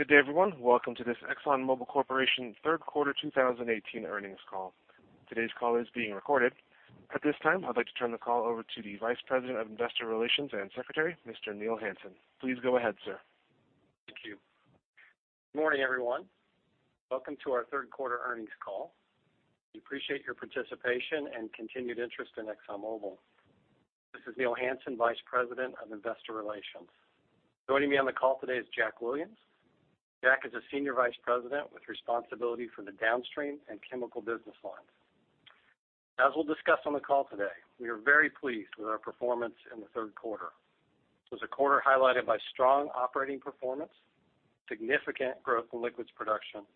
Good day, everyone. Welcome to this Exxon Mobil Corporation third quarter 2018 earnings call. Today's call is being recorded. At this time, I'd like to turn the call over to the Vice President of Investor Relations and Secretary, Mr. Neil Hansen. Please go ahead, sir. Thank you. Good morning, everyone. Welcome to our third quarter earnings call. We appreciate your participation and continued interest in ExxonMobil. This is Neil Hansen, Vice President of Investor Relations. Joining me on the call today is Jack Williams. Jack is a Senior Vice President with responsibility for the downstream and chemical business lines. As we'll discuss on the call today, we are very pleased with our performance in the third quarter. It was a quarter highlighted by strong operating performance, significant growth in liquids production,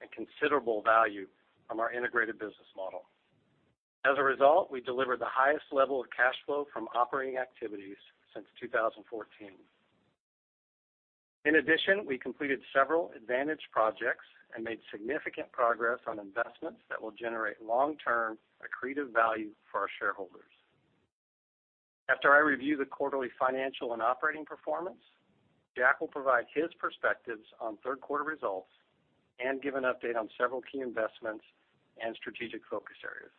and considerable value from our integrated business model. As a result, we delivered the highest level of cash flow from operating activities since 2014. In addition, we completed several advantage projects and made significant progress on investments that will generate long-term accretive value for our shareholders. After I review the quarterly financial and operating performance, Jack will provide his perspectives on third quarter results and give an update on several key investments and strategic focus areas.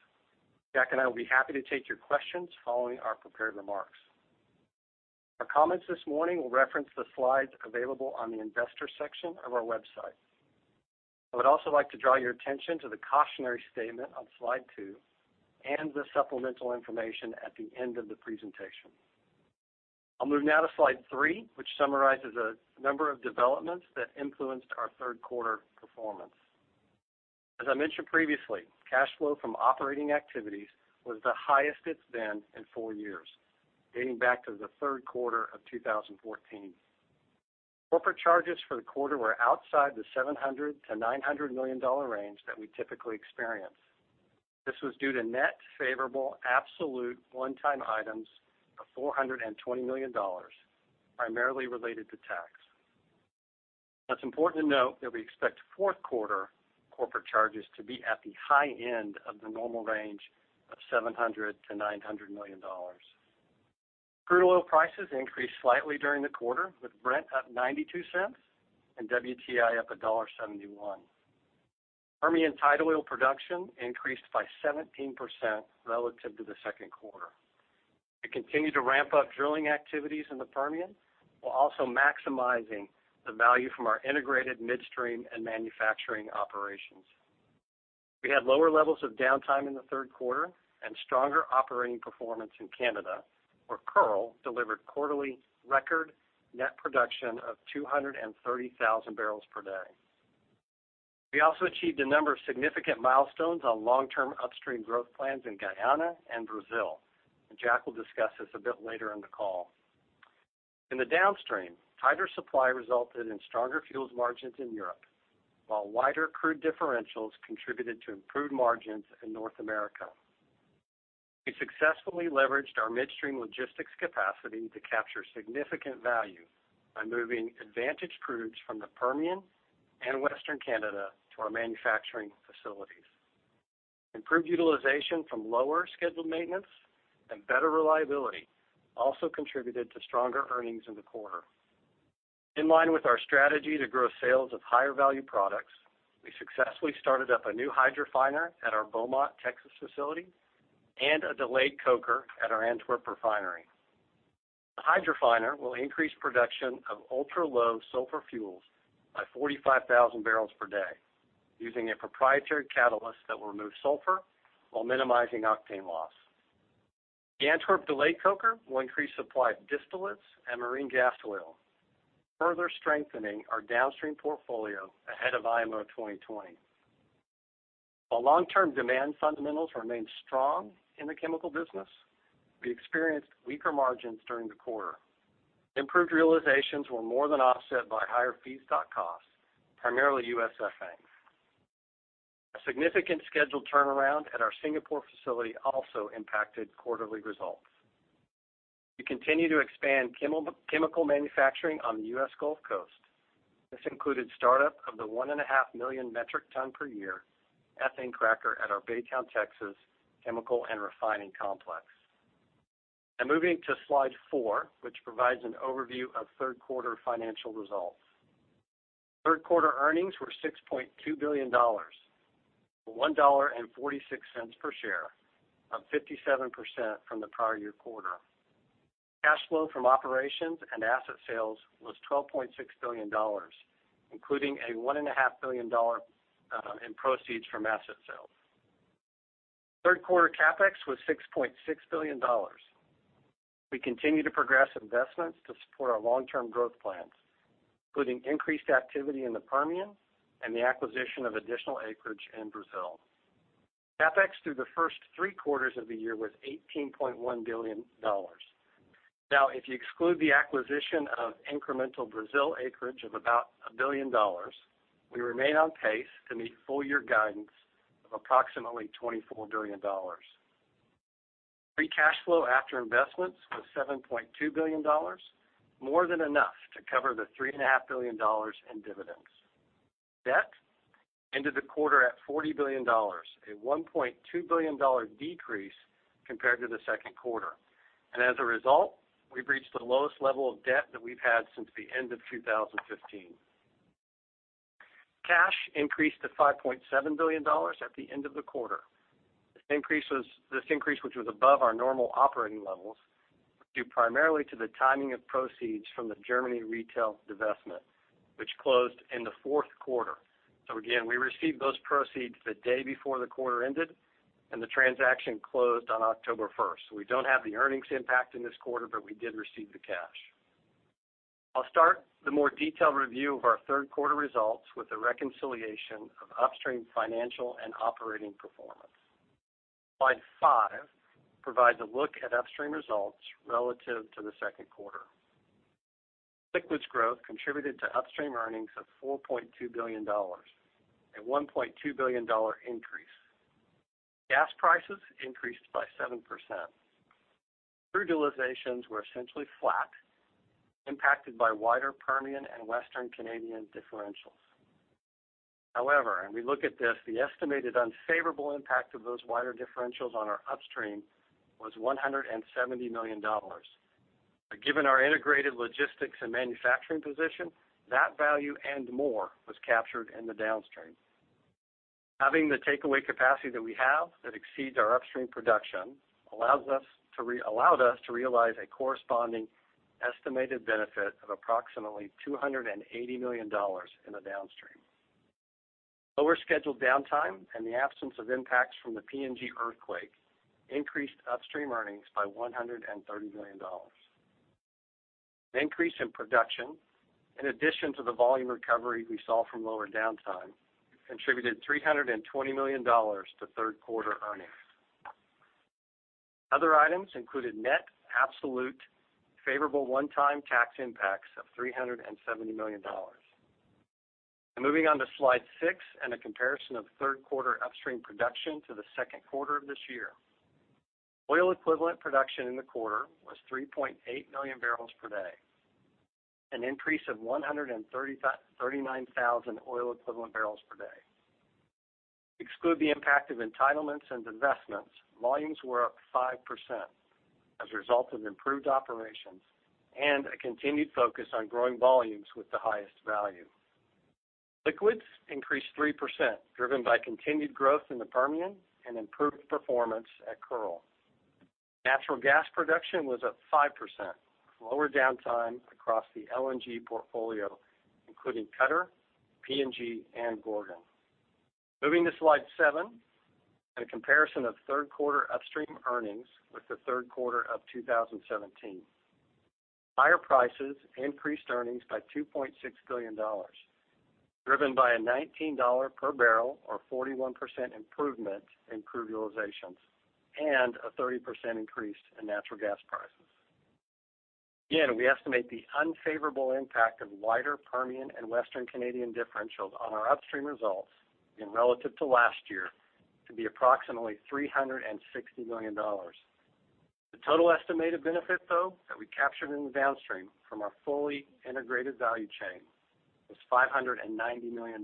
Jack and I will be happy to take your questions following our prepared remarks. Our comments this morning will reference the slides available on the investor section of our website. I would also like to draw your attention to the cautionary statement on Slide two and the supplemental information at the end of the presentation. I'll move now to Slide three, which summarizes a number of developments that influenced our third quarter performance. As I mentioned previously, cash flow from operating activities was the highest it's been in four years, dating back to the third quarter of 2014. Corporate charges for the quarter were outside the $700 million to $900 million range that we typically experience. This was due to net favorable absolute one-time items of $420 million, primarily related to tax. It's important to note that we expect fourth quarter corporate charges to be at the high end of the normal range of $700 million to $900 million. Crude oil prices increased slightly during the quarter, with Brent up $0.92 and WTI up $1.71. Permian tight oil production increased by 17% relative to the second quarter. We continue to ramp up drilling activities in the Permian, while also maximizing the value from our integrated midstream and manufacturing operations. We had lower levels of downtime in the third quarter and stronger operating performance in Canada, where Kearl delivered quarterly record net production of 230,000 barrels per day. We also achieved a number of significant milestones on long-term upstream growth plans in Guyana and Brazil. Jack will discuss this a bit later in the call. In the downstream, tighter supply resulted in stronger fuels margins in Europe, while wider crude differentials contributed to improved margins in North America. We successfully leveraged our midstream logistics capacity to capture significant value by moving advantage crudes from the Permian and Western Canada to our manufacturing facilities. Improved utilization from lower scheduled maintenance and better reliability also contributed to stronger earnings in the quarter. In line with our strategy to grow sales of higher-value products, we successfully started up a new hydrofiner at our Beaumont, Texas facility and a delayed coker at our Antwerp refinery. The hydrofiner will increase production of ultra-low sulfur fuels by 45,000 barrels per day using a proprietary catalyst that will remove sulfur while minimizing octane loss. The Antwerp delayed coker will increase supply of distillates and marine gas oil, further strengthening our downstream portfolio ahead of IMO 2020. While long-term demand fundamentals remain strong in the chemical business, we experienced weaker margins during the quarter. Improved realizations were more than offset by higher feedstock costs, primarily U.S. ethane. A significant scheduled turnaround at our Singapore facility also impacted quarterly results. We continue to expand chemical manufacturing on the U.S. Gulf Coast. This included startup of the one and a half million metric ton per year ethane cracker at our Baytown, Texas chemical and refining complex. I am moving to Slide 4, which provides an overview of third quarter financial results. Third quarter earnings were $6.2 billion, or $1.46 per share, up 57% from the prior year quarter. Cash flow from operations and asset sales was $12.6 billion, including $1.5 billion in proceeds from asset sales. Third quarter CapEx was $6.6 billion. We continue to progress investments to support our long-term growth plans, including increased activity in the Permian and the acquisition of additional acreage in Brazil. CapEx through the first three quarters of the year was $18.1 billion. If you exclude the acquisition of incremental Brazil acreage of about $1 billion, we remain on pace to meet full year guidance of approximately $24 billion. Free cash flow after investments was $7.2 billion, more than enough to cover the $3.5 billion in dividends. Debt ended the quarter at $40 billion, a $1.2 billion decrease compared to the second quarter. As a result, we have reached the lowest level of debt that we have had since the end of 2015. Cash increased to $5.7 billion at the end of the quarter. This increase, which was above our normal operating levels, was due primarily to the timing of proceeds from the Germany retail divestment, which closed in the fourth quarter. Again, we received those proceeds the day before the quarter ended, and the transaction closed on October 1st. We do not have the earnings impact in this quarter, we did receive the cash. I will start the more detailed review of our third quarter results with a reconciliation of Upstream financial and operating performance. Slide five provides a look at Upstream results relative to the second quarter. Liquids growth contributed to Upstream earnings of $4.2 billion, a $1.2 billion increase. Gas prices increased by 7%. Crude utilizations were essentially flat, impacted by wider Permian and Western Canadian differentials. However, we look at this, the estimated unfavorable impact of those wider differentials on our Upstream was $170 million. But given our integrated logistics and manufacturing position, that value and more was captured in the Downstream. Having the takeaway capacity that we have that exceeds our Upstream production allowed us to realize a corresponding estimated benefit of approximately $280 million in the Downstream. Lower scheduled downtime and the absence of impacts from the PNG earthquake increased Upstream earnings by $130 million. An increase in production, in addition to the volume recovery we saw from lower downtime, contributed $320 million to third quarter earnings. Other items included net absolute favorable one-time tax impacts of $370 million. Now moving on to slide six and a comparison of third quarter Upstream production to the second quarter of this year. Oil equivalent production in the quarter was 3.8 million barrels per day, an increase of 139,000 oil equivalent barrels per day. Exclude the impact of entitlements and divestments, volumes were up 5% as a result of improved operations and a continued focus on growing volumes with the highest value. Liquids increased 3%, driven by continued growth in the Permian and improved performance at Kearl. Natural gas production was up 5%, lower downtime across the LNG portfolio, including Qatar, PNG and Gorgon. Moving to slide seven, a comparison of third quarter Upstream earnings with the third quarter of 2017. Higher prices increased earnings by $2.6 billion, driven by a $19 per barrel or 41% improvement in crude realizations and a 30% increase in natural gas prices. Again, we estimate the unfavorable impact of wider Permian and Western Canadian differentials on our Upstream results relative to last year to be approximately $360 million. The total estimated benefit that we captured in the Downstream from our fully integrated value chain was $590 million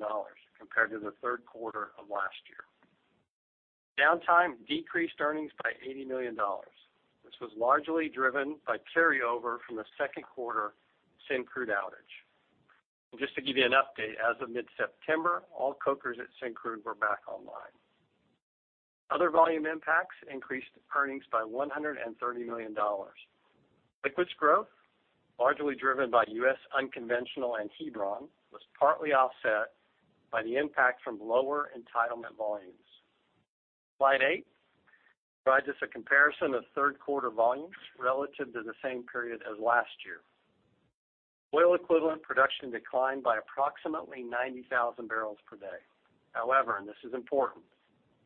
compared to the third quarter of last year. Downtime decreased earnings by $80 million. This was largely driven by carryover from the second quarter Syncrude outage. And just to give you an update, as of mid-September, all cokers at Syncrude were back online. Other volume impacts increased earnings by $130 million. Liquids growth, largely driven by U.S. unconventional and Hebron, was partly offset by the impact from lower entitlement volumes. Slide eight provides us a comparison of third quarter volumes relative to the same period as last year. Oil equivalent production declined by approximately 90,000 barrels per day. However, and this is important,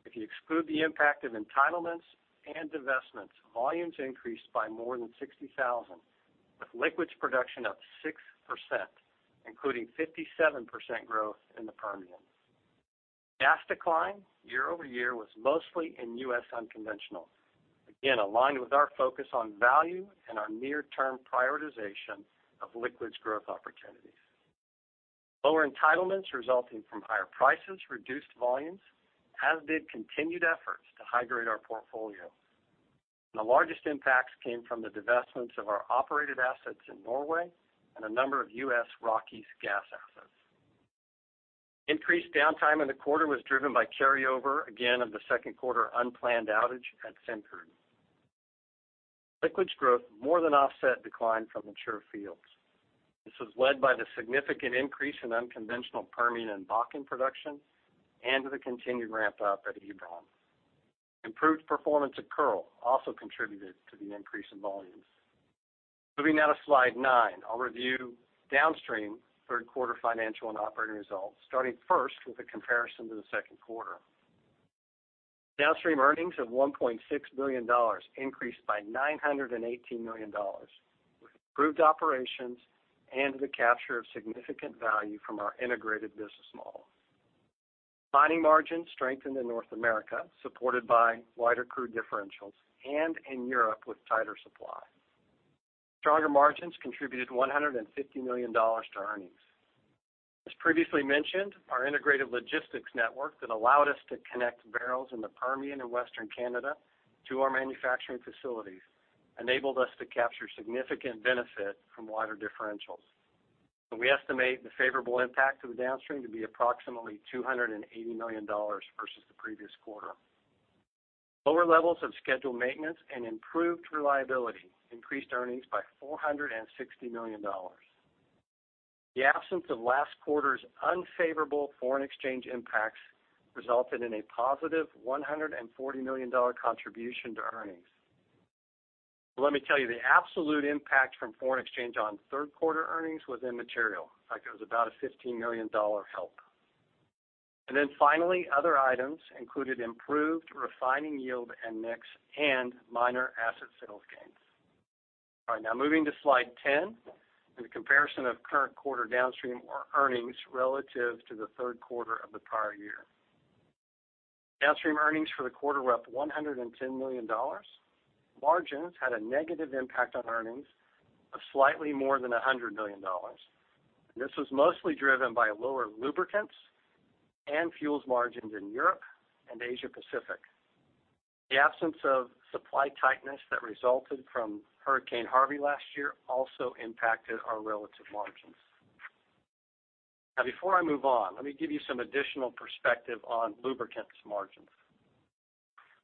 if you exclude the impact of entitlements and divestments, volumes increased by more than 60,000, with liquids production up 6%, including 57% growth in the Permian. Gas decline year-over-year was mostly in U.S. unconventional. Again, aligned with our focus on value and our near-term prioritization of liquids growth opportunities. Lower entitlements resulting from higher prices reduced volumes, as did continued efforts to high-grade our portfolio. And the largest impacts came from the divestments of our operated assets in Norway and a number of U.S. Rockies gas assets. Increased downtime in the quarter was driven by carryover, again, of the second quarter unplanned outage at Syncrude. Liquids growth more than offset decline from mature fields. This was led by the significant increase in unconventional Permian and Bakken production and the continued ramp-up at Hebron. Improved performance at Kearl also contributed to the increase in volumes. Moving now to slide nine. I'll review Downstream third quarter financial and operating results, starting first with a comparison to the second quarter. Downstream earnings of $1.6 billion increased by $918 million with improved operations and the capture of significant value from our integrated business model. Refining margins strengthened in North America, supported by wider crude differentials and in Europe with tighter supply. Stronger margins contributed $150 million to earnings. As previously mentioned, our integrated logistics network that allowed us to connect barrels in the Permian and Western Canada to our manufacturing facilities enabled us to capture significant benefit from wider differentials. We estimate the favorable impact of the downstream to be approximately $280 million versus the previous quarter. Lower levels of scheduled maintenance and improved reliability increased earnings by $460 million. The absence of last quarter's unfavorable foreign exchange impacts resulted in a positive $140 million contribution to earnings. Let me tell you, the absolute impact from foreign exchange on third quarter earnings was immaterial. In fact, it was about a $15 million help. Finally, other items included improved refining yield and mix and minor asset sales gains. All right. Now moving to slide 10, a comparison of current quarter downstream or earnings relative to the third quarter of the prior year. Downstream earnings for the quarter were up $110 million. Margins had a negative impact on earnings of slightly more than $100 million. This was mostly driven by lower lubricants and fuels margins in Europe and Asia Pacific. The absence of supply tightness that resulted from Hurricane Harvey last year also impacted our relative margins. Now, before I move on, let me give you some additional perspective on lubricants margins.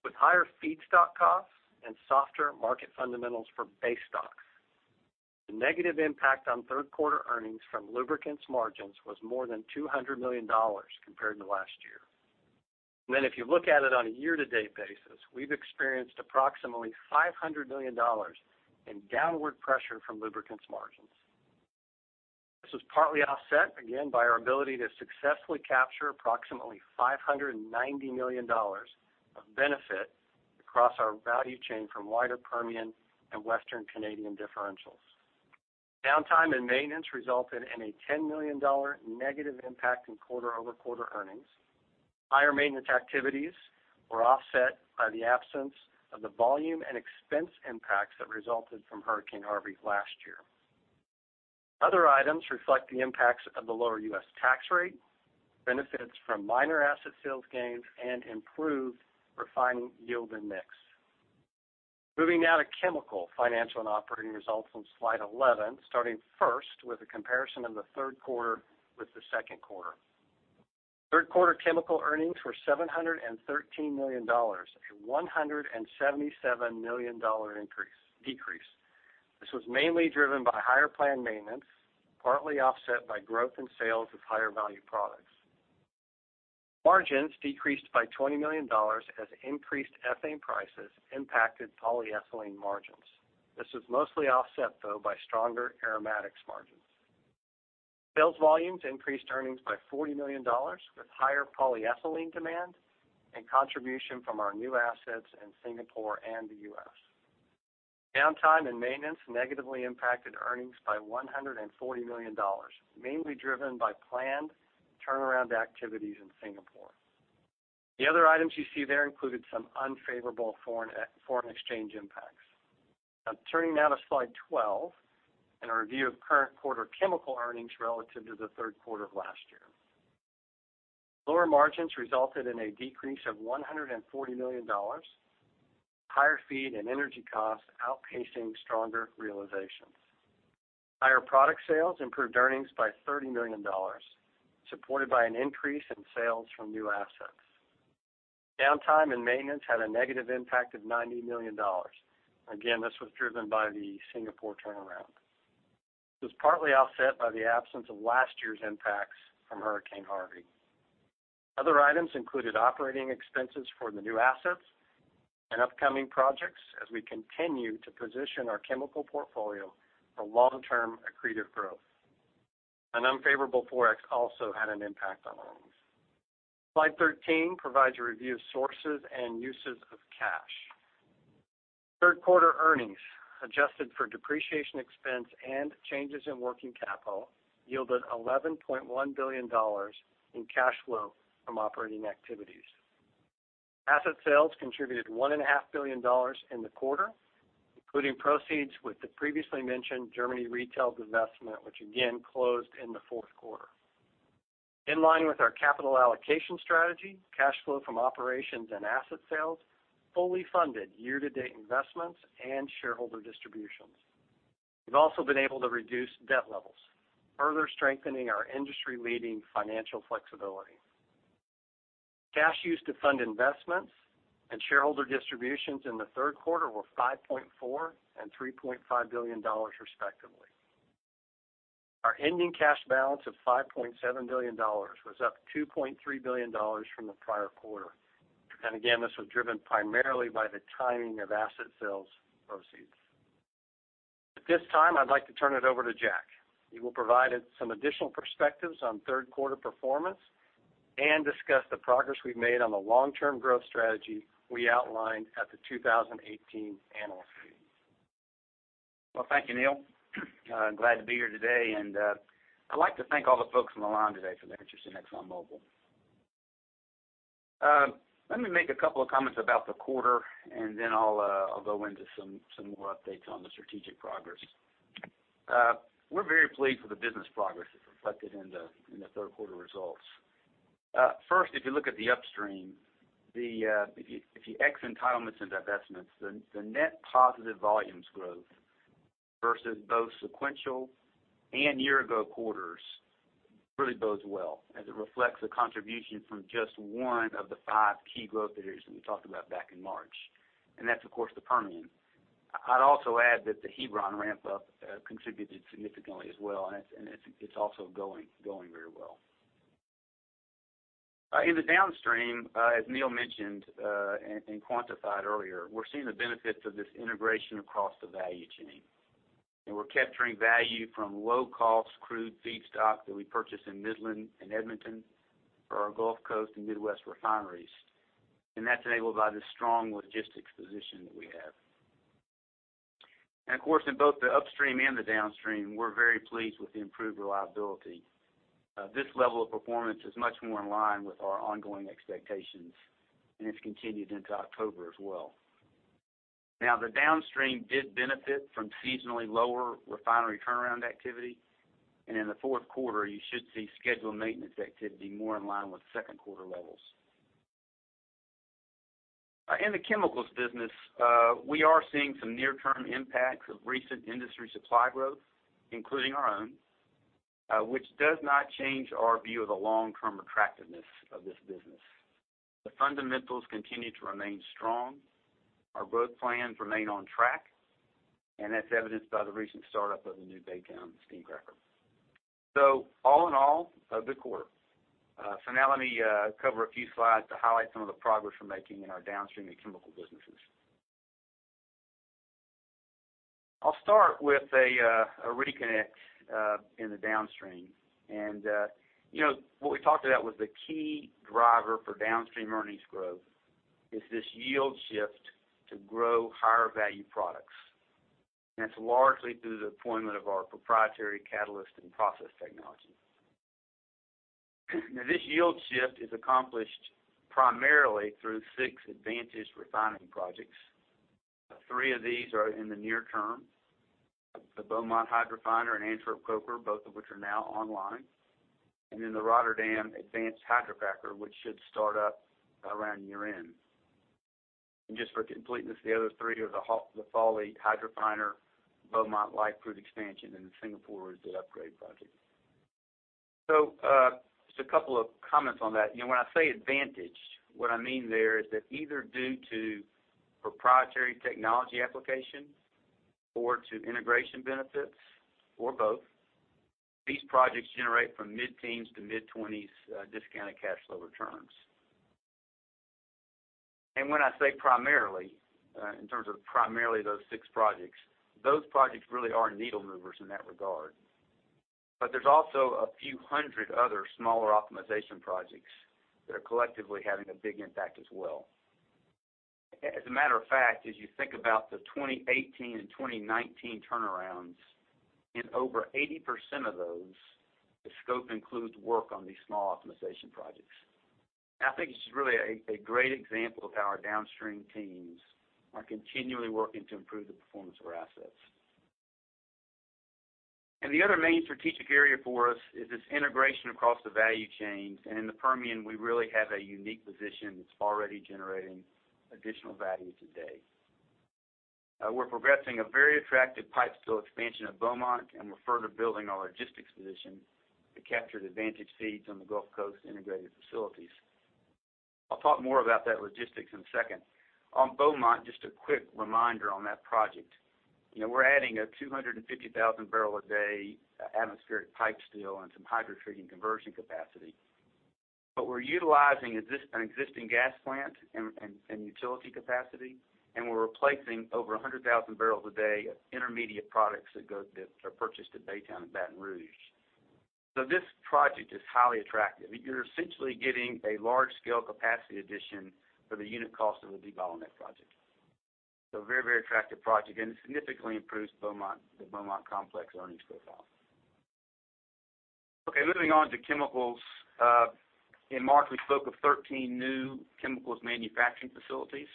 With higher feedstock costs and softer market fundamentals for base stocks, the negative impact on third quarter earnings from lubricants margins was more than $200 million compared to last year. If you look at it on a year-to-date basis, we've experienced approximately $500 million in downward pressure from lubricants margins. This was partly offset, again, by our ability to successfully capture approximately $590 million of benefit across our value chain from wider Permian and Western Canadian differentials. Downtime and maintenance resulted in a $10 million negative impact in quarter-over-quarter earnings. Higher maintenance activities were offset by the absence of the volume and expense impacts that resulted from Hurricane Harvey last year. Other items reflect the impacts of the lower U.S. tax rate, benefits from minor asset sales gains, and improved refining yield and mix. Moving now to chemical financial and operating results on slide 11, starting first with a comparison of the third quarter with the second quarter. Third quarter chemical earnings were $713 million, a $177 million decrease. This was mainly driven by higher planned maintenance, partly offset by growth in sales of higher value products. Margins decreased by $20 million as increased ethane prices impacted polyethylene margins. This was mostly offset, though, by stronger aromatics margins. Sales volumes increased earnings by $40 million with higher polyethylene demand and contribution from our new assets in Singapore and the U.S. Downtime and maintenance negatively impacted earnings by $140 million, mainly driven by planned turnaround activities in Singapore. The other items you see there included some unfavorable foreign exchange impacts. Turning now to slide 12, a review of current quarter chemical earnings relative to the third quarter of last year. Lower margins resulted in a decrease of $140 million. Higher feed and energy costs outpacing stronger realizations. Higher product sales improved earnings by $30 million, supported by an increase in sales from new assets. Downtime and maintenance had a negative impact of $90 million. This was driven by the Singapore turnaround. It was partly offset by the absence of last year's impacts from Hurricane Harvey. Other items included operating expenses for the new assets and upcoming projects as we continue to position our chemical portfolio for long-term accretive growth. An unfavorable ForEx also had an impact on earnings. Slide 13 provides a review of sources and uses of cash. Third quarter earnings, adjusted for depreciation expense and changes in working capital, yielded $11.1 billion in cash flow from operating activities. Asset sales contributed $1.5 billion in the quarter, including proceeds with the previously mentioned Germany retail divestment, which closed in the fourth quarter. In line with our capital allocation strategy, cash flow from operations and asset sales fully funded year-to-date investments and shareholder distributions. We've also been able to reduce debt levels, further strengthening our industry-leading financial flexibility. Cash used to fund investments and shareholder distributions in the third quarter were $5.4 and $3.5 billion respectively. Our ending cash balance of $5.7 billion was up $2.3 billion from the prior quarter. This was driven primarily by the timing of asset sales proceeds. At this time, I'd like to turn it over to Jack. He will provide some additional perspectives on third quarter performance and discuss the progress we've made on the long-term growth strategy we outlined at the 2018 annual meeting. Well, thank you, Neil. Glad to be here today. I'd like to thank all the folks on the line today for their interest in ExxonMobil. Let me make a couple of comments about the quarter. I'll go into some more updates on the strategic progress. We're very pleased with the business progress that's reflected in the third quarter results. First, if you look at the upstream, if you ex entitlements and divestments, the net positive volumes growth versus both sequential and year ago quarters really bodes well as it reflects a contribution from just one of the five key growth areas that we talked about back in March. That's, of course, the Permian. I'd also add that the Hebron ramp-up contributed significantly as well. It's also going very well. In the downstream, as Neil mentioned and quantified earlier, we're seeing the benefits of this integration across the value chain. We're capturing value from low-cost crude feedstock that we purchase in Midland and Edmonton for our Gulf Coast and Midwest refineries. That's enabled by the strong logistics position that we have. Of course, in both the upstream and the downstream, we're very pleased with the improved reliability. This level of performance is much more in line with our ongoing expectations. It's continued into October as well. Now, the downstream did benefit from seasonally lower refinery turnaround activity. In the fourth quarter, you should see scheduled maintenance activity more in line with second quarter levels. In the chemicals business, we are seeing some near-term impacts of recent industry supply growth, including our own, which does not change our view of the long-term attractiveness of this business. The fundamentals continue to remain strong. Our growth plans remain on track, and that's evidenced by the recent startup of the new Baytown steam cracker. All in all, a good quarter. Now let me cover a few slides to highlight some of the progress we're making in our downstream and chemical businesses. I'll start with a reconnect in the downstream. What we talked about was the key driver for downstream earnings growth is this yield shift to grow higher value products. It's largely through the deployment of our proprietary catalyst and process technology. Now this yield shift is accomplished primarily through six advantage refining projects. Three of these are in the near term, the Beaumont hydrofiner and Antwerp coker, both of which are now online. Then the Rotterdam advanced hydrocracker, which should start up around year-end. Just for completeness, the other three are the Fawley hydrofiner, Beaumont light crude expansion, and the Singapore integrated upgrade project. Just a couple of comments on that. When I say advantage, what I mean there is that either due to proprietary technology application or to integration benefits or both, these projects generate from mid-teens to mid-20s discounted cash flow returns. When I say primarily, in terms of primarily those six projects, those projects really are needle movers in that regard. There's also a few hundred other smaller optimization projects that are collectively having a big impact as well. As a matter of fact, as you think about the 2018 and 2019 turnarounds, in over 80% of those, the scope includes work on these small optimization projects. I think this is really a great example of how our downstream teams are continually working to improve the performance of our assets. The other main strategic area for us is this integration across the value chains. In the Permian, we really have a unique position that's already generating additional value today. We're progressing a very attractive pipestill expansion at Beaumont, and we're further building our logistics position to capture the advantage feeds on the Gulf Coast integrated facilities. I'll talk more about that logistics in a second. On Beaumont, just a quick reminder on that project. We're adding a 250,000 barrel a day atmospheric pipestill and some hydrotreating conversion capacity. We're utilizing an existing gas plant and utility capacity, and we're replacing over 100,000 barrels a day of intermediate products that are purchased at Baytown and Baton Rouge. This project is highly attractive. You're essentially getting a large-scale capacity addition for the unit cost of a debottleneck project. Very attractive project, and it significantly improves the Beaumont complex earnings profile. Okay, moving on to chemicals. In March, we spoke of 13 new chemicals manufacturing facilities,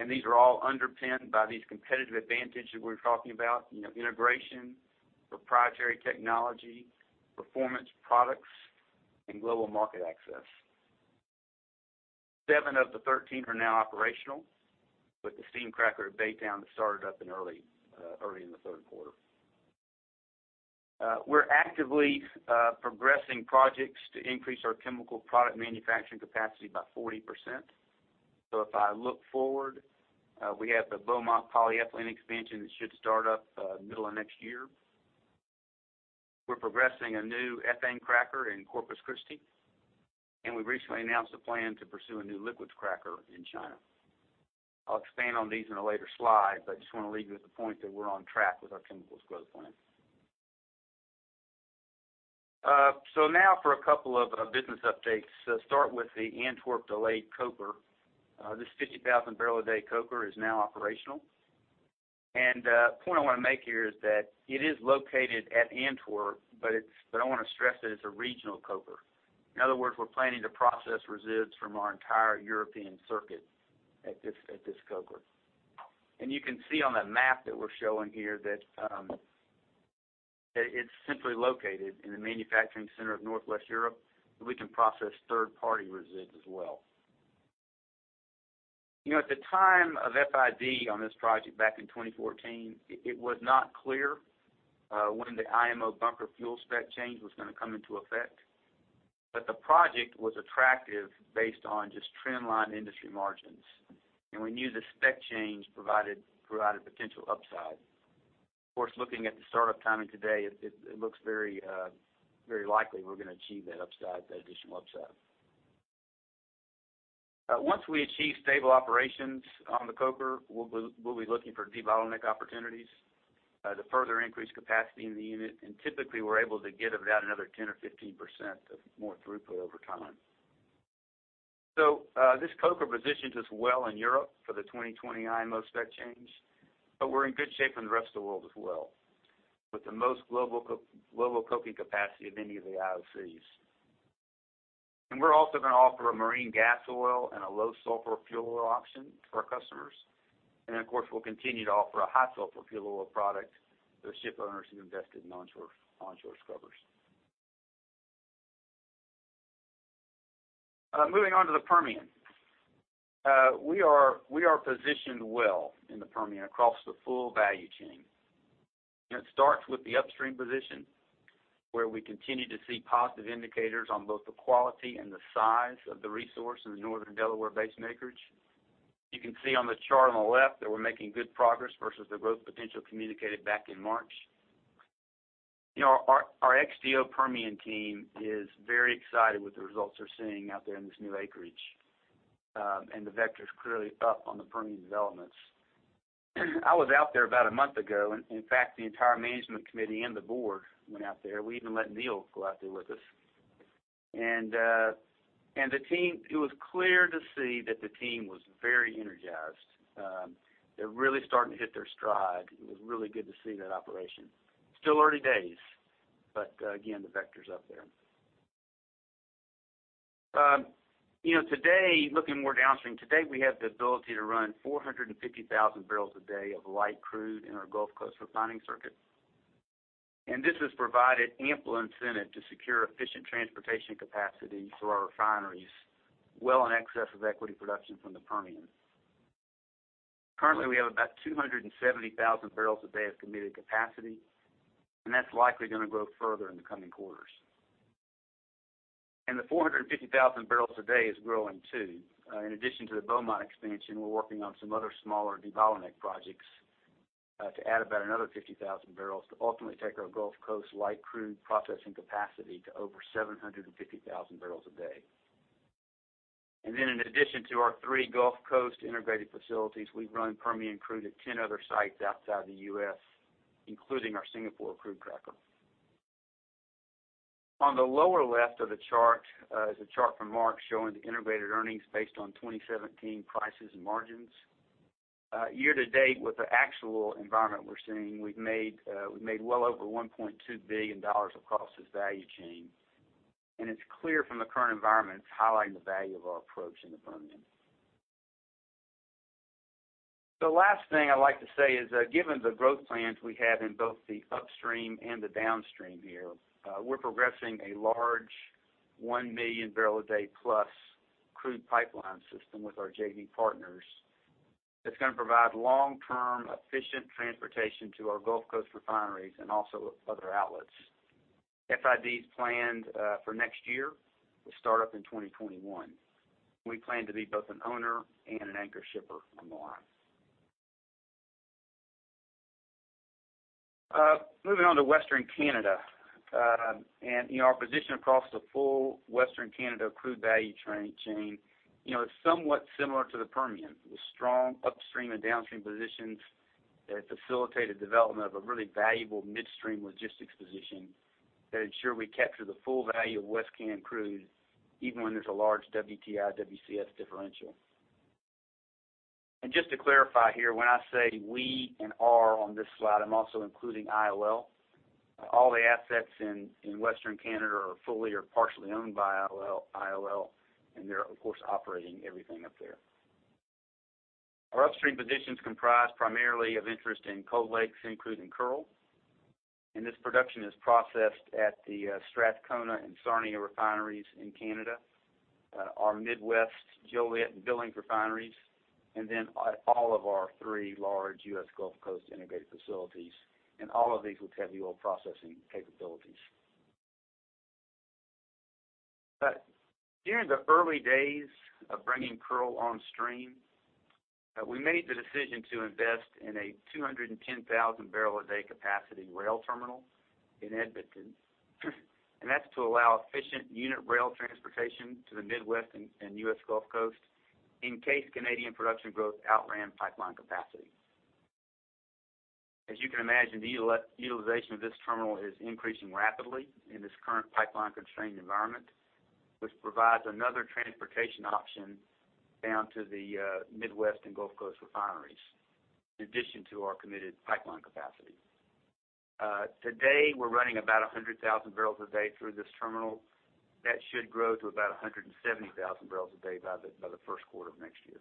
and these are all underpinned by these competitive advantage that we're talking about. Integration, proprietary technology, performance products, and global market access. Seven of the 13 are now operational with the steam cracker at Baytown that started up early in the third quarter. We're actively progressing projects to increase our chemical product manufacturing capacity by 40%. If I look forward, we have the Beaumont polyethylene expansion that should start up middle of next year. We're progressing a new ethane cracker in Corpus Christi, and we recently announced a plan to pursue a new liquids cracker in China. I'll expand on these in a later slide, but I just want to leave you with the point that we're on track with our chemicals growth plan. Now for a couple of business updates. Start with the Antwerp delayed coker. This 50,000 barrel a day coker is now operational. The point I want to make here is that it is located at Antwerp, but I want to stress that it's a regional coker. In other words, we're planning to process residues from our entire European circuit at this coker. You can see on the chart that we're showing here that it's centrally located in the manufacturing center of Northwest Europe, and we can process third-party resid as well. At the time of FID on this project back in 2014, it was not clear when the IMO bunker fuel spec change was going to come into effect, but the project was attractive based on just trend line industry margins. We knew the spec change provided potential upside. Of course, looking at the startup timing today, it looks very likely we're going to achieve that additional upside. Once we achieve stable operations on the coker, we'll be looking for debottleneck opportunities to further increase capacity in the unit. Typically, we're able to get about another 10% or 15% of more throughput over time. This coker positions us well in Europe for the 2020 IMO spec change, but we're in good shape in the rest of the world as well. With the most global coking capacity of any of the IOCs. We're also going to offer a marine gas oil and a low sulfur fuel oil option to our customers. Of course, we'll continue to offer a high sulfur fuel oil product to ship owners who invested in onboard scrubbers. Moving on to the Permian. We are positioned well in the Permian across the full value chain. It starts with the upstream position, where we continue to see positive indicators on both the quality and the size of the resource in the Northern Delaware Basin acreage. You can see on the chart on the left that we're making good progress versus the growth potential communicated back in March. Our XTO Permian team is very excited with the results they're seeing out there in this new acreage. The vector's clearly up on the Permian developments. I was out there about a month ago. In fact, the entire management committee and the board went out there. We even let Neil go out there with us. It was clear to see that the team was very energized. They're really starting to hit their stride. It was really good to see that operation. Still early days, but again, the vector's up there. Looking more downstream, today we have the ability to run 450,000 barrels a day of light crude in our Gulf Coast refining circuit. This has provided ample incentive to secure efficient transportation capacity for our refineries well in excess of equity production from the Permian. Currently, we have about 270,000 barrels a day of committed capacity, and that's likely going to grow further in the coming quarters. The 450,000 barrels a day is growing, too. In addition to the Beaumont expansion, we're working on some other smaller debottleneck projects to add about another 50,000 barrels to ultimately take our Gulf Coast light crude processing capacity to over 750,000 barrels a day. In addition to our three Gulf Coast integrated facilities, we run Permian crude at 10 other sites outside the U.S., including our Singapore crude cracker. On the lower left of the chart is a chart from Mark showing the integrated earnings based on 2017 prices and margins. Year to date with the actual environment we're seeing, we've made well over $1.2 billion across this value chain. It's clear from the current environment, it's highlighting the value of our approach in the Permian. The last thing I'd like to say is that given the growth plans we have in both the upstream and the downstream here, we're progressing a large 1 million barrel a day plus crude pipeline system with our JV partners that's going to provide long-term efficient transportation to our Gulf Coast refineries and also other outlets. FID's planned for next year with startup in 2021. We plan to be both an owner and an anchor shipper on the line. Moving on to Western Canada. Our position across the full Western Canada crude value chain. It's somewhat similar to the Permian, with strong upstream and downstream positions that facilitate the development of a really valuable midstream logistics position that ensure we capture the full value of West Can crude even when there's a large WTI WCS differential. Just to clarify here, when I say we and our on this slide, I'm also including IOL. All the assets in Western Canada are fully or partially owned by IOL, and they're, of course, operating everything up there. Our upstream positions comprise primarily of interest in Cold Lake and including Kearl. This production is processed at the Strathcona and Sarnia refineries in Canada. Our Midwest Joliet and Billings refineries, and then all of our three large U.S. Gulf Coast integrated facilities, and all of these with heavy oil processing capabilities. During the early days of bringing Kearl on stream, we made the decision to invest in a 210,000 barrel a day capacity rail terminal in Edmonton. That's to allow efficient unit rail transportation to the Midwest and U.S. Gulf Coast in case Canadian production growth outran pipeline capacity. As you can imagine, the utilization of this terminal is increasing rapidly in this current pipeline-constrained environment, which provides another transportation option down to the Midwest and Gulf Coast refineries, in addition to our committed pipeline capacity. Today, we're running about 100,000 barrels a day through this terminal. That should grow to about 170,000 barrels a day by the first quarter of next year.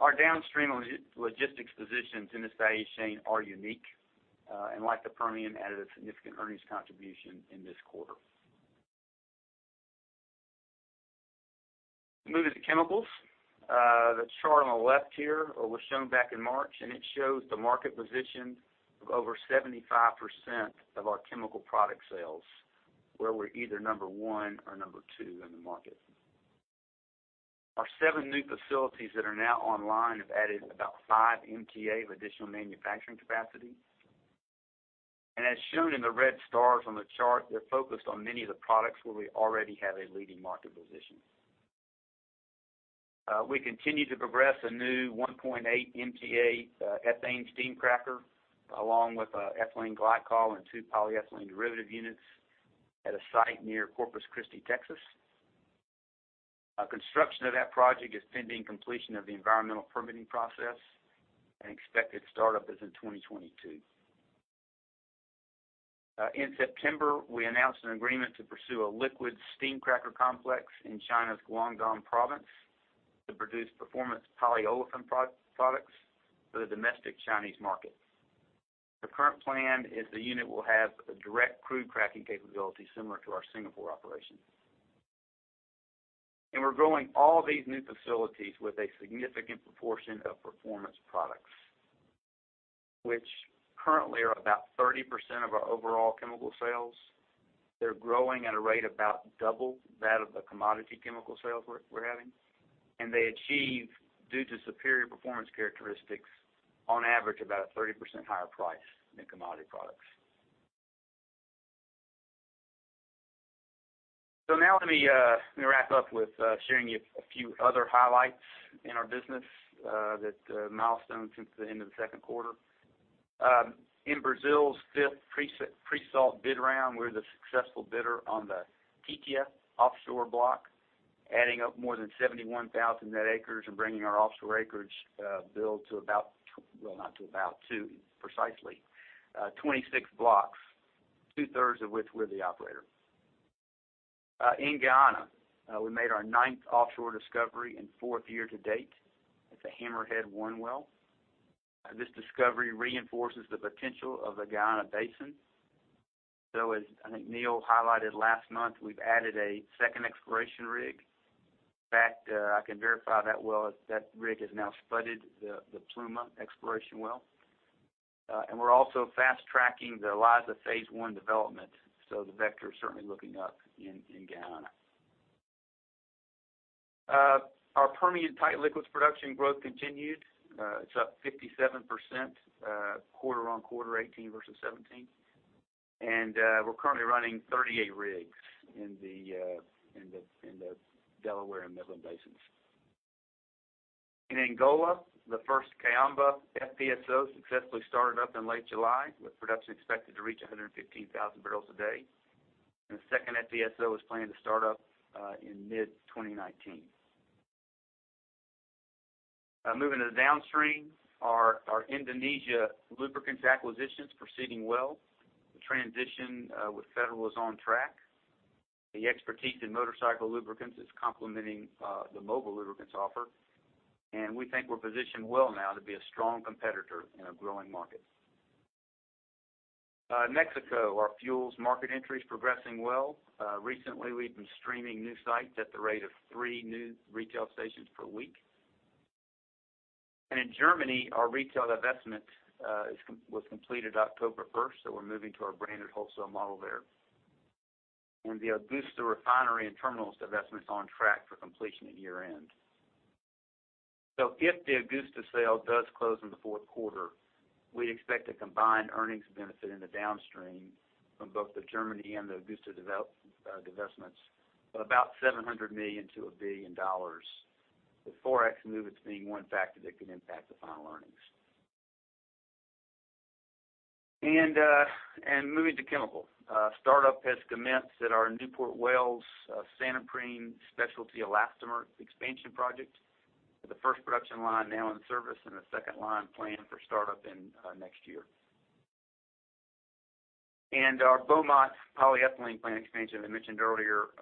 Our downstream logistics positions in this value chain are unique, and like the Permian, added a significant earnings contribution in this quarter. Moving to chemicals. The chart on the left here was shown back in March, it shows the market position of over 75% of our chemical product sales, where we're either number one or number two in the market. Our seven new facilities that are now online have added about five MTA of additional manufacturing capacity. As shown in the red stars on the chart, they're focused on many of the products where we already have a leading market position. We continue to progress a new 1.8 MTA ethane steam cracker, along with an ethylene glycol and two polyethylene derivative units at a site near Corpus Christi, Texas. Construction of that project is pending completion of the environmental permitting process, and expected startup is in 2022. In September, we announced an agreement to pursue a liquid steam cracker complex in China's Guangdong Province to produce performance polyolefin products for the domestic Chinese market. The current plan is the unit will have a direct crude cracking capability similar to our Singapore operation. We're growing all these new facilities with a significant proportion of performance products, which currently are about 30% of our overall chemical sales. They're growing at a rate about double that of the commodity chemical sales we're having. They achieve, due to superior performance characteristics, on average about a 30% higher price than commodity products. Now let me wrap up with sharing a few other highlights in our business, the milestones since the end of the second quarter. In Brazil's fifth pre-salt bid round, we're the successful bidder on the Titã offshore block, adding up more than 71,000 net acres and bringing our offshore acreage build to precisely 26 blocks, two-thirds of which we're the operator. In Guyana, we made our ninth offshore discovery and fourth year to date at the Hammerhead-1 well. This discovery reinforces the potential of the Guyana Basin. As I think Neil highlighted last month, we've added a second exploration rig. In fact, I can verify that rig has now spudded the Pluma exploration well. We're also fast-tracking the Liza Phase 1 development, so the vector is certainly looking up in Guyana. Our Permian tight liquids production growth continued. It's up 57% quarter-on-quarter 2018 versus 2017. We're currently running 38 rigs in the Delaware and Midland basins. In Angola, the first Kaombo FPSO successfully started up in late July, with production expected to reach 115,000 barrels a day. The second FPSO is planned to start up in mid-2019. Moving to the downstream, our Indonesia lubricants acquisition's proceeding well. The transition with Federal Oil is on track. The expertise in motorcycle lubricants is complementing the Mobil lubricants offer. We think we're positioned well now to be a strong competitor in a growing market. Mexico, our fuels market entry is progressing well. Recently, we've been streaming new sites at the rate of three new retail stations per week. In Germany, our retail divestment was completed October 1st, so we're moving to our branded wholesale model there. The Augusta refinery and terminals divestment's on track for completion at year-end. If the Augusta sale does close in the fourth quarter, we expect a combined earnings benefit in the downstream from both the Germany and the Augusta divestments of about $700 million-$1 billion, with ForEx movements being one factor that could impact the final earnings. Moving to chemical. Startup has commenced at our Newport, Wales Santoprene specialty elastomer expansion project, with the first production line now in service and the second line planned for startup in next year. Our Beaumont polyethylene plant expansion, as I mentioned earlier,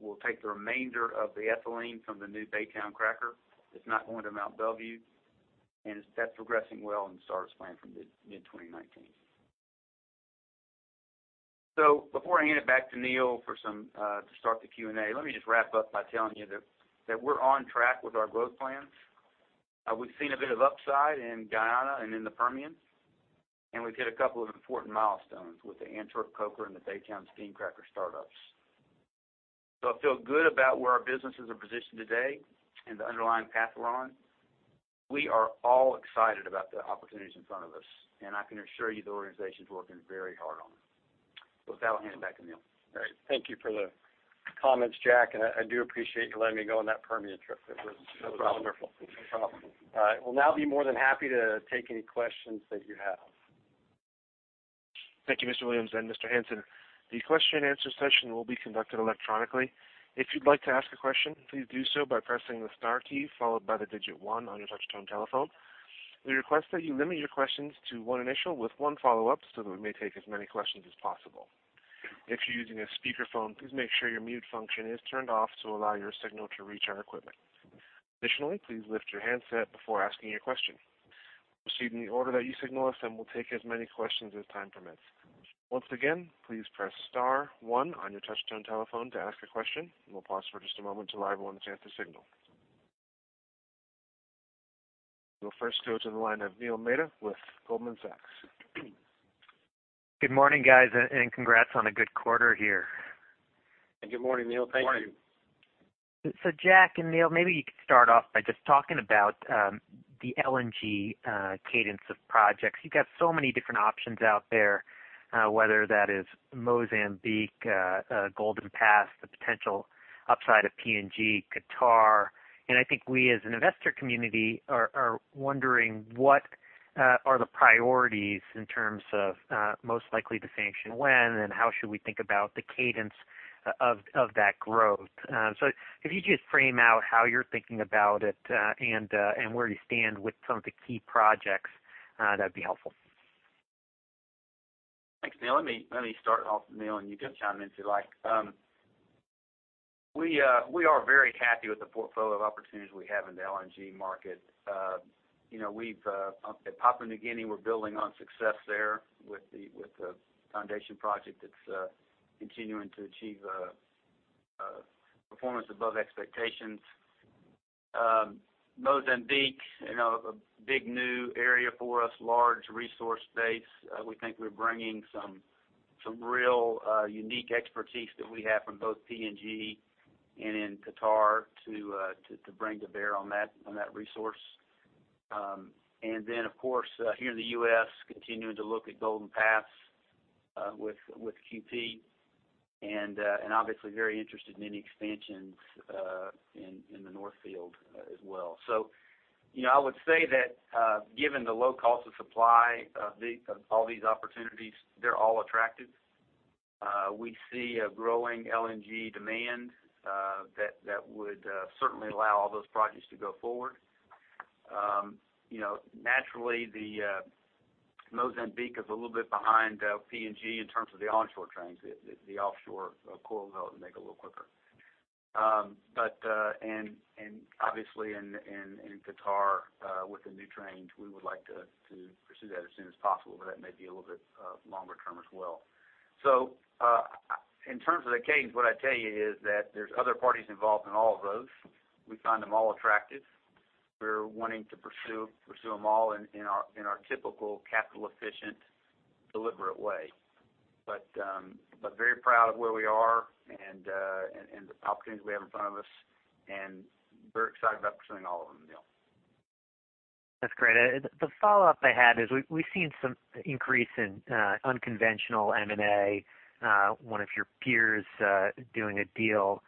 will take the remainder of the ethylene from the new Baytown cracker that's not going to Mont Belvieu. That's progressing well, and start is planned for mid-2019. Before I hand it back to Neil to start the Q&A, let me just wrap up by telling you that we're on track with our growth plans. We've seen a bit of upside in Guyana and in the Permian. We've hit a couple of important milestones with the Antwerp coker and the Baytown steam cracker startups. I feel good about where our businesses are positioned today and the underlying path we're on. We are all excited about the opportunities in front of us, and I can assure you the organization's working very hard on them. With that, I'll hand it back to Neil. Great. Thank you for the comments, Jack, and I do appreciate you letting me go on that Permian trip. That was wonderful. No problem. All right. We'll now be more than happy to take any questions that you have. Thank you, Mr. Williams and Mr. Hansen. The question and answer session will be conducted electronically. If you'd like to ask a question, please do so by pressing the star key followed by the digit 1 on your touch-tone telephone. We request that you limit your questions to one initial with one follow-up so that we may take as many questions as possible. If you're using a speakerphone, please make sure your mute function is turned off to allow your signal to reach our equipment. Additionally, please lift your handset before asking your question. Proceed in the order that you signal us, and we'll take as many questions as time permits. Once again, please press star one on your touch-tone telephone to ask a question. We'll pause for just a moment to allow everyone a chance to signal. We'll first go to the line of Neil Mehta with Goldman Sachs. Good morning, guys, congrats on a good quarter here. Good morning, Neil. Thank you. Morning. Jack and Neil, maybe you could start off by just talking about the LNG cadence of projects. You've got so many different options out there, whether that is Mozambique, Golden Pass, the potential upside of PNG, Qatar, I think we as an investor community are wondering what are the priorities in terms of most likely to sanction when, and how should we think about the cadence of that growth. If you just frame out how you're thinking about it and where you stand with some of the key projects, that'd be helpful. Thanks, Neil. Let me start off, Neil, and you can chime in if you like. We are very happy with the portfolio of opportunities we have in the LNG market. At Papua New Guinea, we're building on success there with the foundation project that's continuing to achieve performance above expectations. Mozambique, a big new area for us. Large resource base. We think we're bringing some real unique expertise that we have from both PNG and in Qatar to bring to bear on that resource. Of course, here in the U.S., continuing to look at Golden Pass LNG with QP, and obviously very interested in any expansions in the North Field as well. I would say that given the low cost of supply of all these opportunities, they're all attractive. We see a growing LNG demand that would certainly allow all those projects to go forward. Naturally, Mozambique is a little bit behind PNG in terms of the onshore trains. The offshore FLNG will make a little quicker. In Qatar, with the new trains, we would like to pursue that as soon as possible, but that may be a little bit longer term as well. In terms of the cadence, what I'd tell you is that there's other parties involved in all of those. We find them all attractive. We're wanting to pursue them all in our typical capital efficient, deliberate way. Very proud of where we are and the opportunities we have in front of us and very excited about pursuing all of them, Neil. That's great. The follow-up I had is we've seen some increase in unconventional M&A. One of your peers doing a deal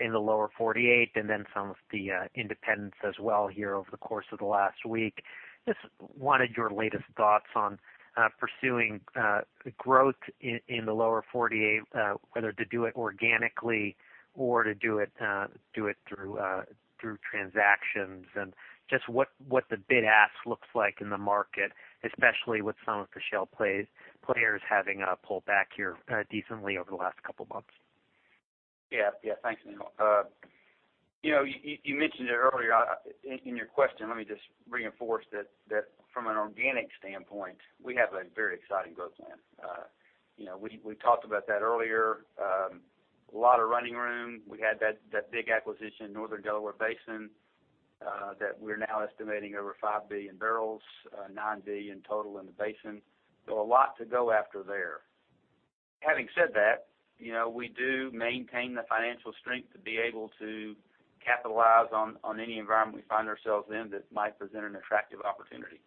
in the lower 48, and then some of the independents as well here over the course of the last week. Just wanted your latest thoughts on pursuing growth in the lower 48, whether to do it organically or to do it through transactions. Just what the bid ask looks like in the market, especially with some of the shale players having pulled back here decently over the last couple of months. Thanks, Neil. You mentioned it earlier in your question. Let me just reinforce that from an organic standpoint, we have a very exciting growth plan. We talked about that earlier. A lot of running room. We had that big acquisition, Northern Delaware Basin, that we're now estimating over 5 billion barrels, 9 billion total in the basin. A lot to go after there. Having said that, we do maintain the financial strength to be able to capitalize on any environment we find ourselves in that might present an attractive opportunity.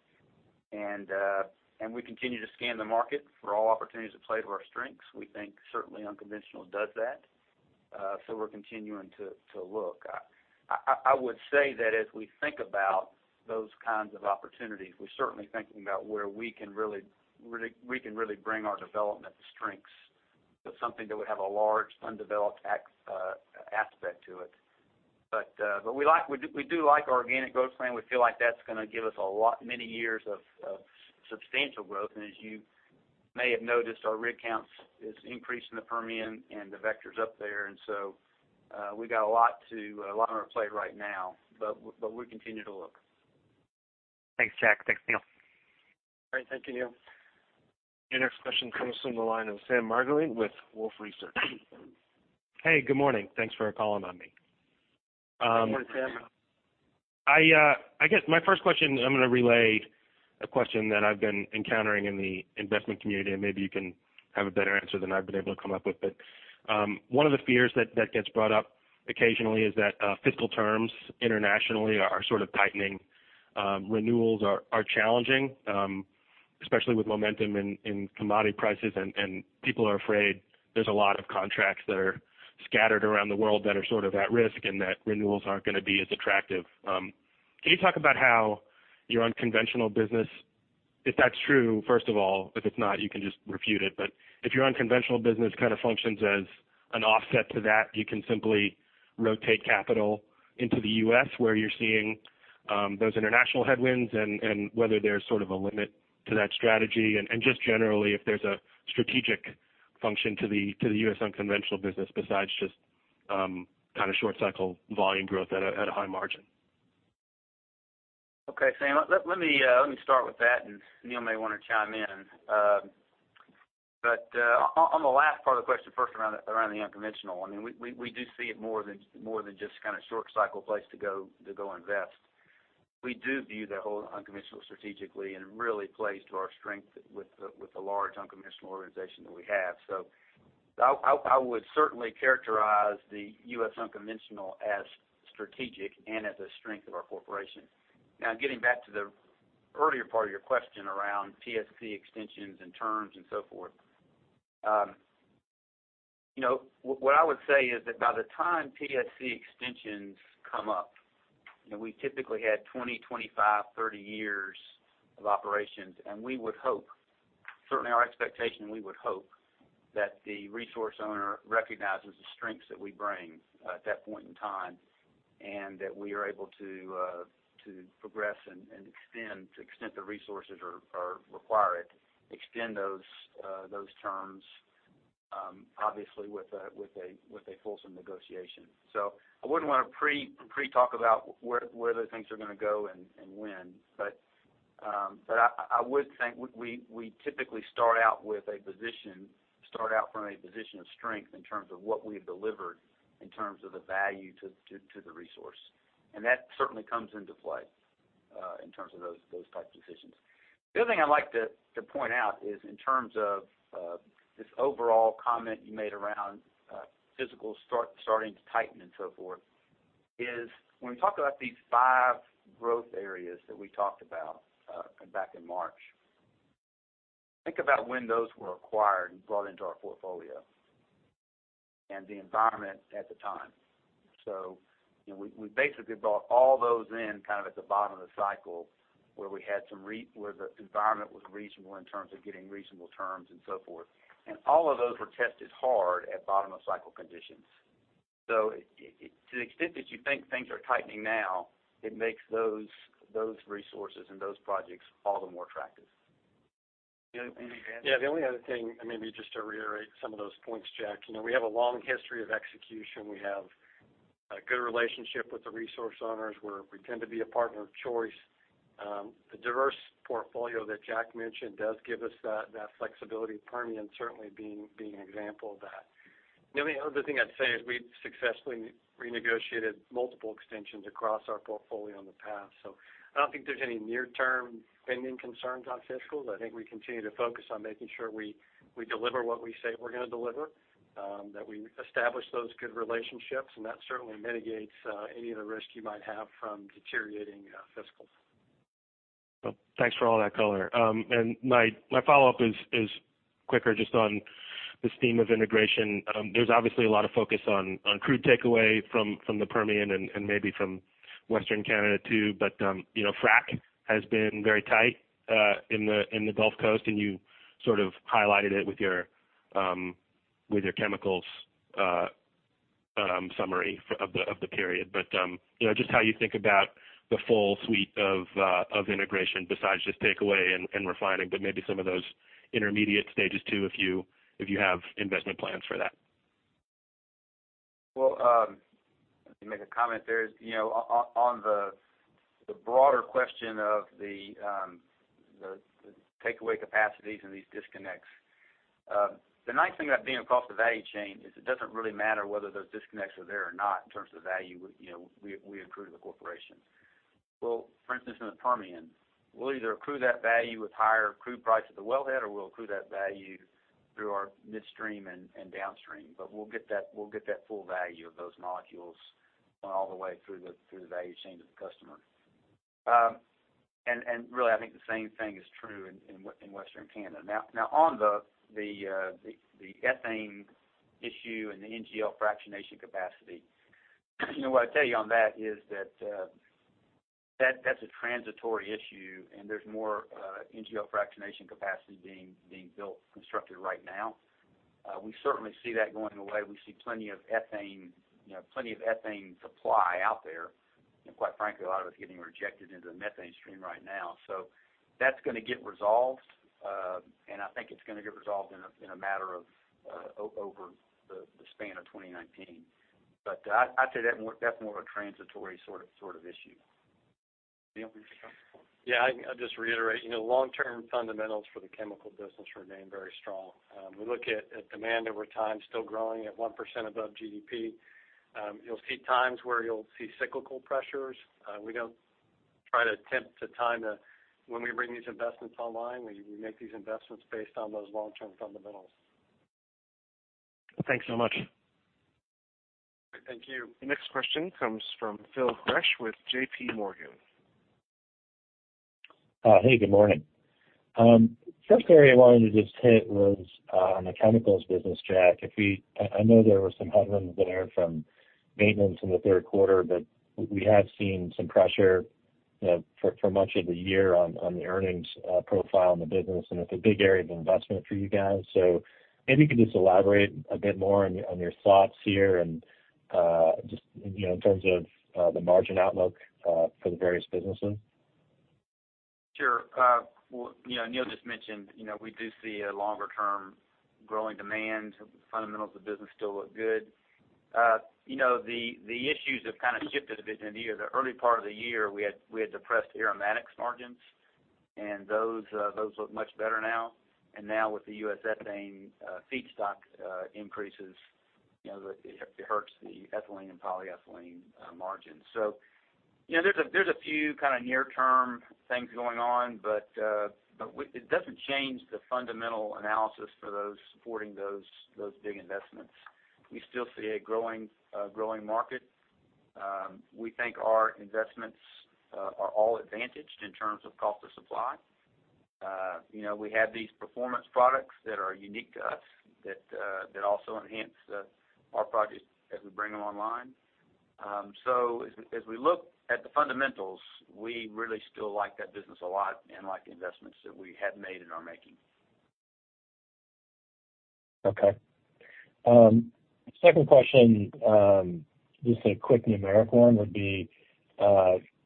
We continue to scan the market for all opportunities that play to our strengths. We think certainly unconventional does that. We're continuing to look. I would say that as we think about those kinds of opportunities, we're certainly thinking about where we can really bring our development strengths to something that would have a large undeveloped aspect to it. We do like our organic growth plan. We feel like that's going to give us a lot, many years of substantial growth. As you may have noticed, our rig count is increasing the Permian and the vectors up there. We got a lot on our plate right now, but we continue to look. Thanks, Jack. Thanks, Neil. All right. Thank you, Neil. Our next question comes from the line of Sam Margolin with Wolfe Research. Hey, good morning. Thanks for calling on me. Good morning, Sam. I guess my first question, I'm going to relay a question that I've been encountering in the investment community, and maybe you can have a better answer than I've been able to come up with. One of the fears that gets brought up occasionally is that fiscal terms internationally are sort of tightening. Renewals are challenging, especially with momentum in commodity prices, and people are afraid there's a lot of contracts that are scattered around the world that are sort of at risk, and that renewals aren't going to be as attractive. Can you talk about how your unconventional business, if that's true, first of all, if it's not, you can just refute it, but if your unconventional business kind of functions as an offset to that, you can simply rotate capital into the U.S. where you're seeing those international headwinds and whether there's sort of a limit to that strategy, and just generally, if there's a strategic function to the U.S. unconventional business besides just short cycle volume growth at a high margin? Okay, Sam, let me start with that, and Neil may want to chime in. On the last part of the question first around the unconventional, we do see it more than just kind of short cycle place to go invest. We do view that whole unconventional strategically and really plays to our strength with the large unconventional organization that we have. I would certainly characterize the U.S. unconventional as strategic and as a strength of our corporation. Now, getting back to the earlier part of your question around PSC extensions and terms and so forth. What I would say is that by the time PSC extensions come up, we typically had 20, 25, 30 years of operations, and we would hope, certainly our expectation, we would hope that the resource owner recognizes the strengths that we bring at that point in time, and that we are able to progress and extend to extent the resources are required, extend those terms, obviously, with a fulsome negotiation. I wouldn't want to pre-talk about where the things are going to go and when. I would think we typically start out from a position of strength in terms of what we've delivered in terms of the value to the resource. That certainly comes into play in terms of those type decisions. The other thing I'd like to point out is in terms of this overall comment you made around physicals starting to tighten and so forth, is when we talk about these five growth areas that we talked about back in March. Think about when those were acquired and brought into our portfolio, and the environment at the time. We basically brought all those in kind of at the bottom of the cycle where the environment was reasonable in terms of getting reasonable terms and so forth. All of those were tested hard at bottom of cycle conditions. To the extent that you think things are tightening now, it makes those resources and those projects all the more attractive. Yeah. The only other thing, and maybe just to reiterate some of those points, Jack, we have a long history of execution. We have a good relationship with the resource owners. We tend to be a partner of choice. The diverse portfolio that Jack mentioned does give us that flexibility, Permian certainly being an example of that. The only other thing I'd say is we've successfully renegotiated multiple extensions across our portfolio in the past. I don't think there's any near-term pending concerns on fiscals. I think we continue to focus on making sure we deliver what we say we're going to deliver, that we establish those good relationships, and that certainly mitigates any of the risk you might have from deteriorating fiscals. Thanks for all that color. My follow-up is quicker just on this theme of integration. There's obviously a lot of focus on crude takeaway from the Permian and maybe from Western Canada too. Frack has been very tight in the Gulf Coast, and you sort of highlighted it with your chemicals summary of the period. Just how you think about the full suite of integration besides just takeaway and refining, but maybe some of those intermediate stages too if you have investment plans for that. Well, let me make a comment there. On the broader question of the takeaway capacities and these disconnects. The nice thing about being across the value chain is it doesn't really matter whether those disconnects are there or not in terms of the value we accrue to the corporation. Well, for instance, in the Permian, we'll either accrue that value with higher crude price at the wellhead, or we'll accrue that value through our midstream and downstream. We'll get that full value of those molecules all the way through the value chain to the customer. Really, I think the same thing is true in Western Canada. Now on the ethane issue and the NGL fractionation capacity. What I'd tell you on that is that that's a transitory issue, and there's more NGL fractionation capacity being built, constructed right now. We certainly see that going away. We see plenty of ethane supply out there, and quite frankly, a lot of it's getting rejected into the methane stream right now. That's going to get resolved, and I think it's going to get resolved in a matter of over the span of 2019. I'd say that's more of a transitory sort of issue. Neil, would you comment? Yeah. I'll just reiterate. Long-term fundamentals for the chemical business remain very strong. We look at demand over time still growing at 1% above GDP. You'll see times where you'll see cyclical pressures. We don't attempt to time when we bring these investments online. We make these investments based on those long-term fundamentals. Thanks so much. Thank you. Next question comes from Phil Gresh with JPMorgan. Hey, good morning. First area I wanted to just hit was on the chemicals business, Jack. I know there were some headwinds in there from maintenance in the third quarter. We have seen some pressure for much of the year on the earnings profile in the business. It's a big area of investment for you guys. Maybe you could just elaborate a bit more on your thoughts here and just in terms of the margin outlook for the various businesses. Sure. Neil just mentioned we do see a longer-term growing demand. Fundamentals of the business still look good. The issues have kind of shifted a bit near the year. The early part of the year, we had depressed aromatics margins. Those look much better now. Now with the U.S. ethane feedstock increases, it hurts the ethylene and polyethylene margins. There's a few near-term things going on. It doesn't change the fundamental analysis for those supporting those big investments. We still see a growing market. We think our investments are all advantaged in terms of cost of supply. We have these performance products that are unique to us that also enhance our projects as we bring them online. As we look at the fundamentals, we really still like that business a lot and like the investments that we have made and are making. Okay. Second question, just a quick numeric one would be,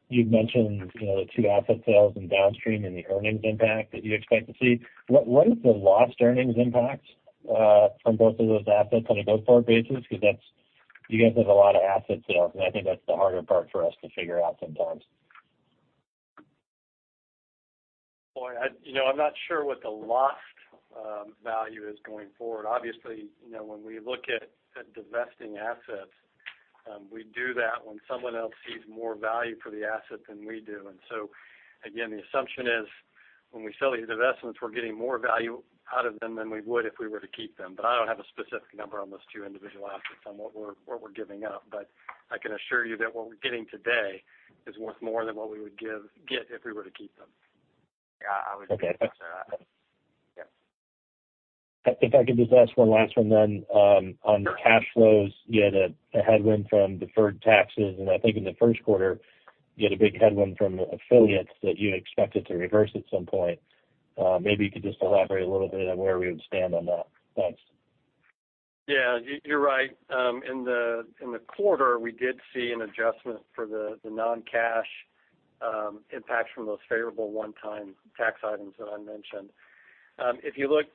you've mentioned the two asset sales in downstream and the earnings impact that you expect to see. What is the lost earnings impact from both of those assets on a go-forward basis? You guys have a lot of assets sales, and I think that's the harder part for us to figure out sometimes. I'm not sure what the lost value is going forward. Obviously, when we look at divesting assets, we do that when someone else sees more value for the asset than we do. Again, the assumption is when we sell these divestments, we're getting more value out of them than we would if we were to keep them. I don't have a specific number on those two individual assets on what we're giving up. I can assure you that what we're getting today is worth more than what we would get if we were to keep them. Yeah, I would concur with that. Okay. Yeah. If I could just ask one last one then. On cash flows, you had a headwind from deferred taxes, and I think in the first quarter, you had a big headwind from affiliates that you expected to reverse at some point. Maybe you could just elaborate a little bit on where we would stand on that. Thanks. Yeah, you're right. In the quarter, we did see an adjustment for the non-cash impact from those favorable one-time tax items that I mentioned. If you look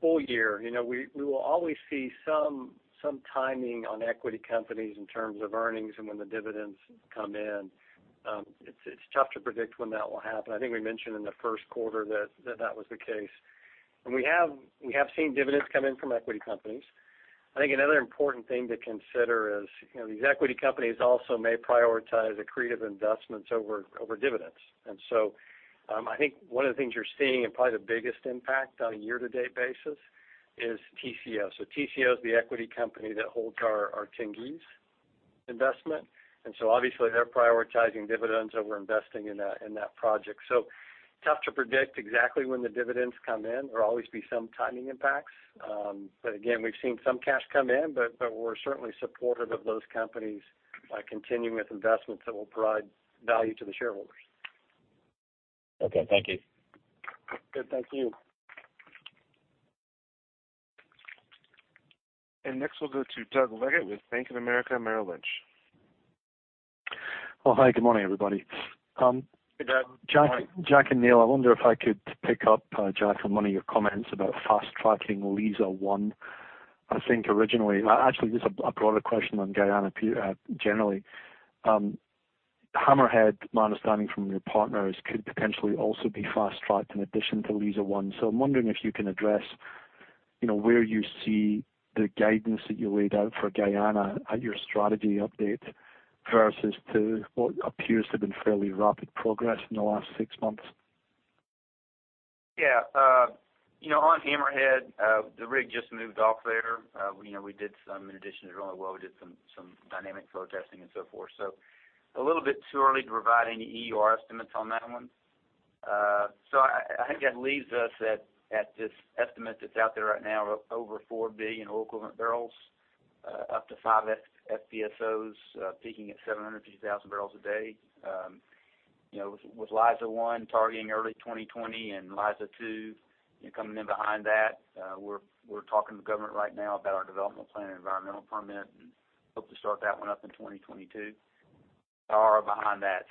full year, we will always see some timing on equity companies in terms of earnings and when the dividends come in. It's tough to predict when that will happen. I think we mentioned in the first quarter that that was the case. We have seen dividends come in from equity companies. I think another important thing to consider is these equity companies also may prioritize accretive investments over dividends. I think one of the things you're seeing and probably the biggest impact on a year-to-date basis is Tengizchevroil. Tengizchevroil is the equity company that holds our Tengiz investment, and so obviously they're prioritizing dividends over investing in that project. Tough to predict exactly when the dividends come in. There'll always be some timing impacts. Again, we've seen some cash come in, but we're certainly supportive of those companies continuing with investments that will provide value to the shareholders. Okay, thank you. Good. Thank you. Next, we'll go to Doug Leggate with Bank of America Merrill Lynch. Well, hi. Good morning, everybody. Hey, Doug. Jack and Neil, I wonder if I could pick up, Jack, on one of your comments about fast-tracking Liza-1. Actually, this is a broader question on Guyana generally. Hammerhead, my understanding from your partners, could potentially also be fast-tracked in addition to Liza-1. I'm wondering if you can address where you see the guidance that you laid out for Guyana at your strategy update versus to what appears to have been fairly rapid progress in the last six months. Yeah. On Hammerhead, the rig just moved off there. In addition to drilling the well, we did some dynamic flow testing and so forth. A little bit too early to provide any EUR estimates on that one. I think that leaves us at this estimate that's out there right now of over four billion oil equivalent barrels, up to five FPSOs peaking at 750,000 barrels a day. With Liza-1 targeting early 2020 and Liza-2 coming in behind that, we're talking to the government right now about our development plan and environmental permit, and hope to start that one up in 2022. Far behind that.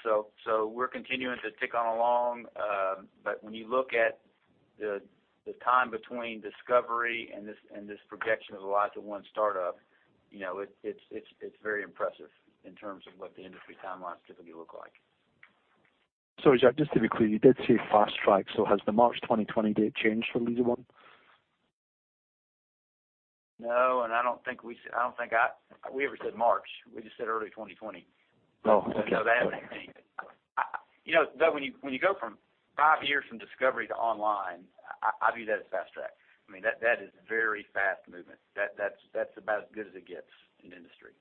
We're continuing to tick on along. When you look at the time between discovery and this projection of the Liza-1 startup, it's very impressive in terms of what the industry timelines typically look like. Sorry, Jack, just to be clear, you did say fast track, has the March 2020 date changed for Liza-1? No, I don't think we ever said March. We just said early 2020. Oh, okay. You know, Doug, when you go from five years from discovery to online, I view that as fast track. That is very fast movement. That's about as good as it gets in the industry.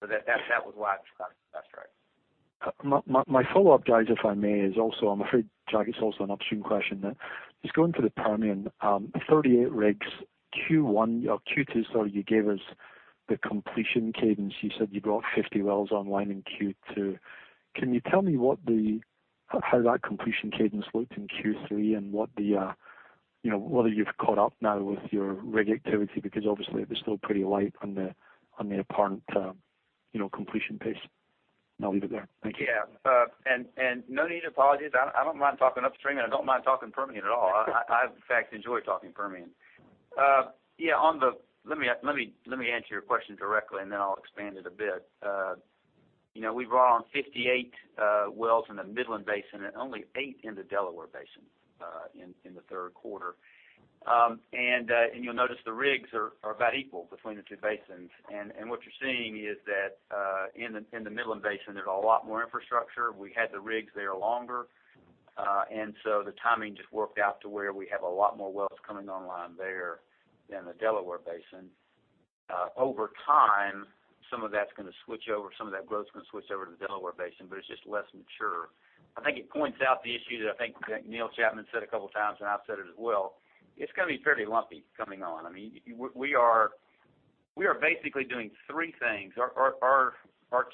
That was why I was talking fast track. My follow-up, guys, if I may, is also, I'm afraid, Jack, it's also an upstream question. Just going through the Permian, 38 rigs, Q2, you gave us the completion cadence. You said you brought 50 wells online in Q2. Can you tell me how that completion cadence looked in Q3 and whether you've caught up now with your rig activity, because obviously it was still pretty light on the apparent completion pace? I'll leave it there. Thank you. Yeah. No need to apologize. I don't mind talking upstream, and I don't mind talking Permian at all. I, in fact, enjoy talking Permian. Let me answer your question directly, and then I'll expand it a bit. We brought on 58 wells in the Midland Basin and only eight in the Delaware Basin in the third quarter. You'll notice the rigs are about equal between the two basins. What you're seeing is that in the Midland Basin, there's a lot more infrastructure. We had the rigs there longer. So the timing just worked out to where we have a lot more wells coming online there than the Delaware Basin. Over time, some of that's going to switch over, some of that growth's going over to the Delaware Basin, but it's just less mature. I think it points out the issue that I think Neil Chapman said a couple of times, and I've said it as well. It's going to be fairly lumpy coming on. We are basically doing three things. Our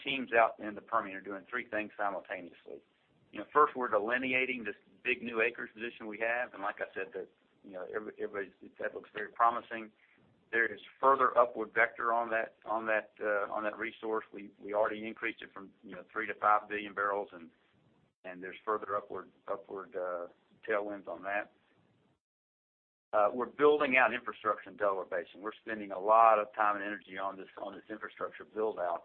teams out in the Permian are doing three things simultaneously. First, we're delineating this big new acreage position we have, and like I said, that looks very promising. There is further upward vector on that resource. We already increased it from three to five billion barrels, and there's further upward tailwinds on that. We're building out infrastructure in Delaware Basin. We're spending a lot of time and energy on this infrastructure build-out.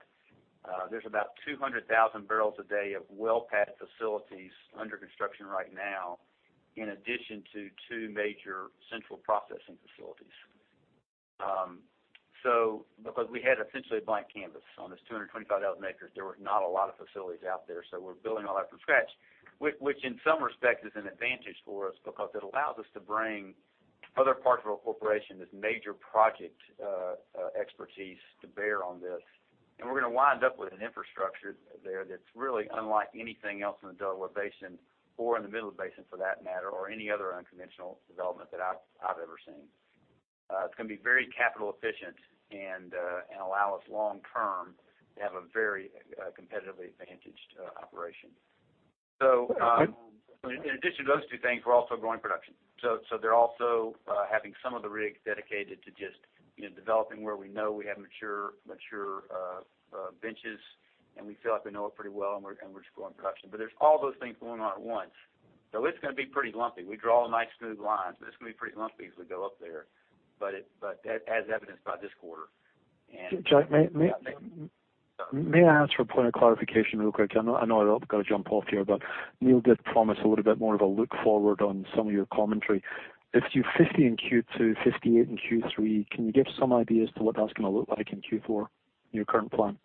There's about 200,000 barrels a day of well pad facilities under construction right now, in addition to two major central processing facilities. We had essentially a blank canvas on this 225,000 acres. There were not a lot of facilities out there, we're building all that from scratch, which in some respect is an advantage for us because it allows us to bring other parts of our corporation, this major project expertise to bear on this. We're going to wind up with an infrastructure there that's really unlike anything else in the Delaware Basin or in the Midland Basin, for that matter, or any other unconventional development that I've ever seen. It's going to be very capital efficient and allow us long term to have a very competitively advantaged operation. Okay. In addition to those two things, we're also growing production. They're also having some of the rigs dedicated to just developing where we know we have mature benches, and we feel like we know it pretty well, and we're just growing production. There's all those things going on at once. It's going to be pretty lumpy. We draw a nice smooth line, but it's going to be pretty lumpy as we go up there, but as evidenced by this quarter. Jack, may I ask for a point of clarification real quick? I know I've got to jump off here, but Neil Hansen did promise a little bit more of a look forward on some of your commentary. If you've 50 in Q2, 58 in Q3, can you give some idea as to what that's going to look like in Q4 in your current plan?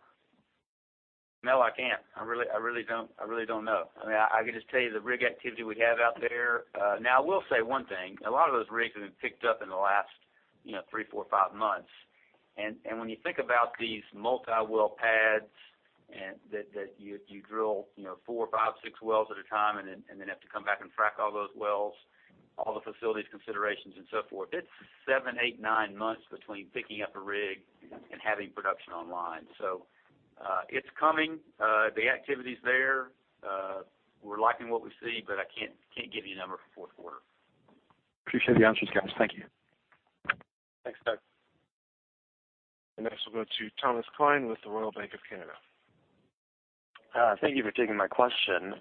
No, I can't. I really don't know. I can just tell you the rig activity we have out there. Now, I will say one thing. A lot of those rigs have been picked up in the last three, four, five months. When you think about these multi-well pads that you drill four, five, six wells at a time and then have to come back and frack all those wells, all the facilities considerations and so forth, it's seven, eight, nine months between picking up a rig and having production online. It's coming. The activity's there. We're liking what we see, but I can't give you a number for fourth quarter. Appreciate the answers, guys. Thank you. Thanks, Doug. The next will go to Thomas Klein with the Royal Bank of Canada. Thank you for taking my question.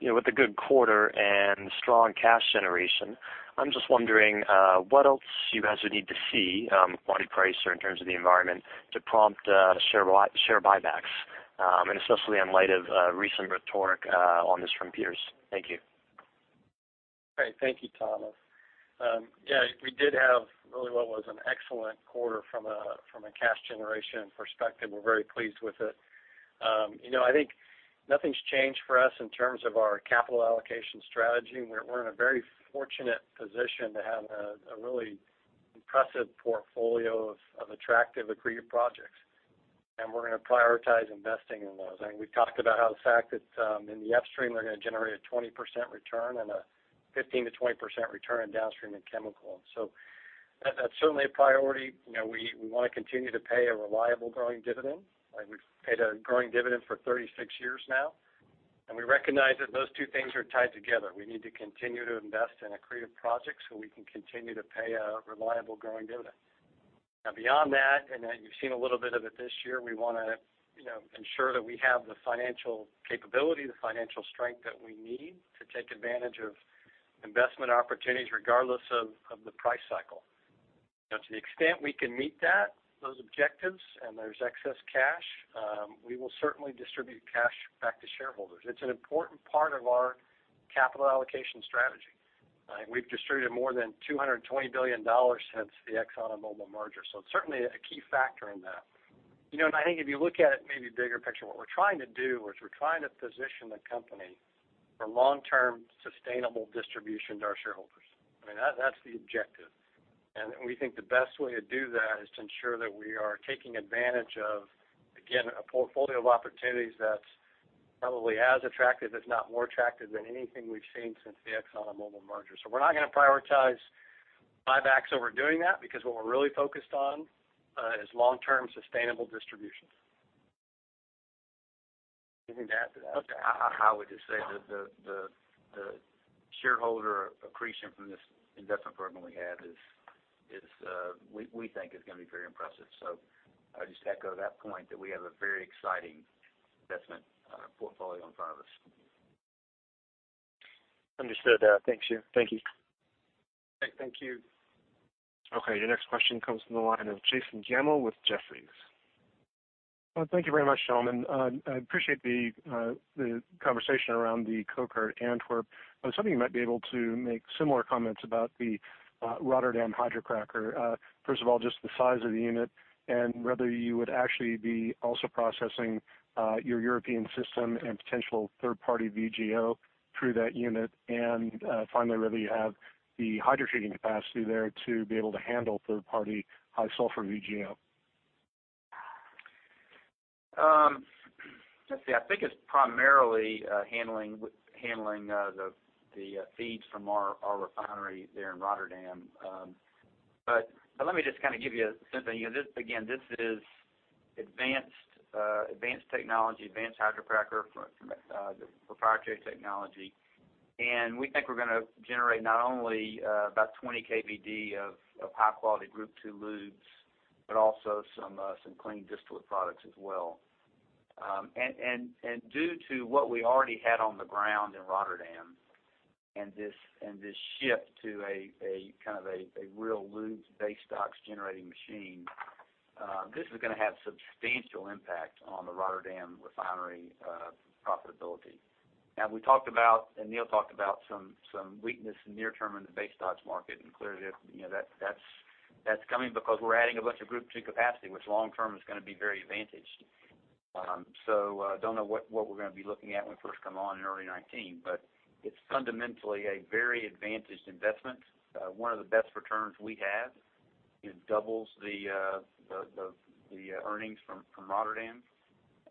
With a good quarter and strong cash generation, I'm just wondering what else you guys would need to see in commodity price or in terms of the environment to prompt share buybacks, especially in light of recent rhetoric on this from peers. Thank you. Great. Thank you, Thomas. We did have really what was an excellent quarter from a cash generation perspective. We're very pleased with it. I think nothing's changed for us in terms of our capital allocation strategy. We're in a very fortunate position to have a really impressive portfolio of attractive accretive projects, we're going to prioritize investing in those. We've talked about how the fact that in the upstream, we're going to generate a 20% return and a 15%-20% return in downstream and chemical. That's certainly a priority. We want to continue to pay a reliable growing dividend, we've paid a growing dividend for 36 years now, and we recognize that those two things are tied together. We need to continue to invest in accretive projects so we can continue to pay a reliable growing dividend. Now, beyond that, you've seen a little bit of it this year, we want to ensure that we have the financial capability, the financial strength that we need to take advantage of investment opportunities regardless of the price cycle. Now, to the extent we can meet that objectives and there's excess cash, we will certainly distribute cash back to shareholders. It's an important part of our capital allocation strategy. We've distributed more than $220 billion since the ExxonMobil merger, it's certainly a key factor in that. I think if you look at maybe the bigger picture, what we're trying to do is we're trying to position the company for long-term sustainable distribution to our shareholders. That's the objective, and we think the best way to do that is to ensure that we are taking advantage of, again, a portfolio of opportunities that's probably as attractive, if not more attractive, than anything we've seen since the ExxonMobil merger. We're not going to prioritize buybacks over doing that, because what we're really focused on is long-term sustainable distribution. Anything to add to that? I would just say that the shareholder accretion from this investment program we have, we think, is going to be very impressive. I'd just echo that point that we have a very exciting investment portfolio in front of us. Understood. Thanks. Thank you. Thank you. Okay. The next question comes from the line of Jason Gammel with Jefferies. Thank you very much, gentlemen. I appreciate the conversation around the coker at Antwerp. I was hoping you might be able to make similar comments about the Rotterdam hydrocracker. First of all, just the size of the unit and whether you would actually be also processing your European system and potential third-party VGO through that unit. Finally, whether you have the hydrotreating capacity there to be able to handle third-party high sulfur VGO. Let's see. I think it's primarily handling the feeds from our refinery there in Rotterdam. Let me just give you a sense. Again, this is advanced technology, advanced hydrocracker proprietary technology, and we think we're going to generate not only about 20 KBD of high-quality Group II lubes, but also some clean distillate products as well. Due to what we already had on the ground in Rotterdam and this shift to a real lubes base stocks generating machine, this is going to have substantial impact on the Rotterdam refinery profitability. Now, we talked about, and Neil talked about some weakness near term in the base stocks market, and clearly that's coming because we're adding a bunch of Group II capacity, which long term is going to be very advantaged. Don't know what we're going to be looking at when we first come on in early 2019, but it's fundamentally a very advantaged investment. One of the best returns we have. It doubles the earnings from Rotterdam.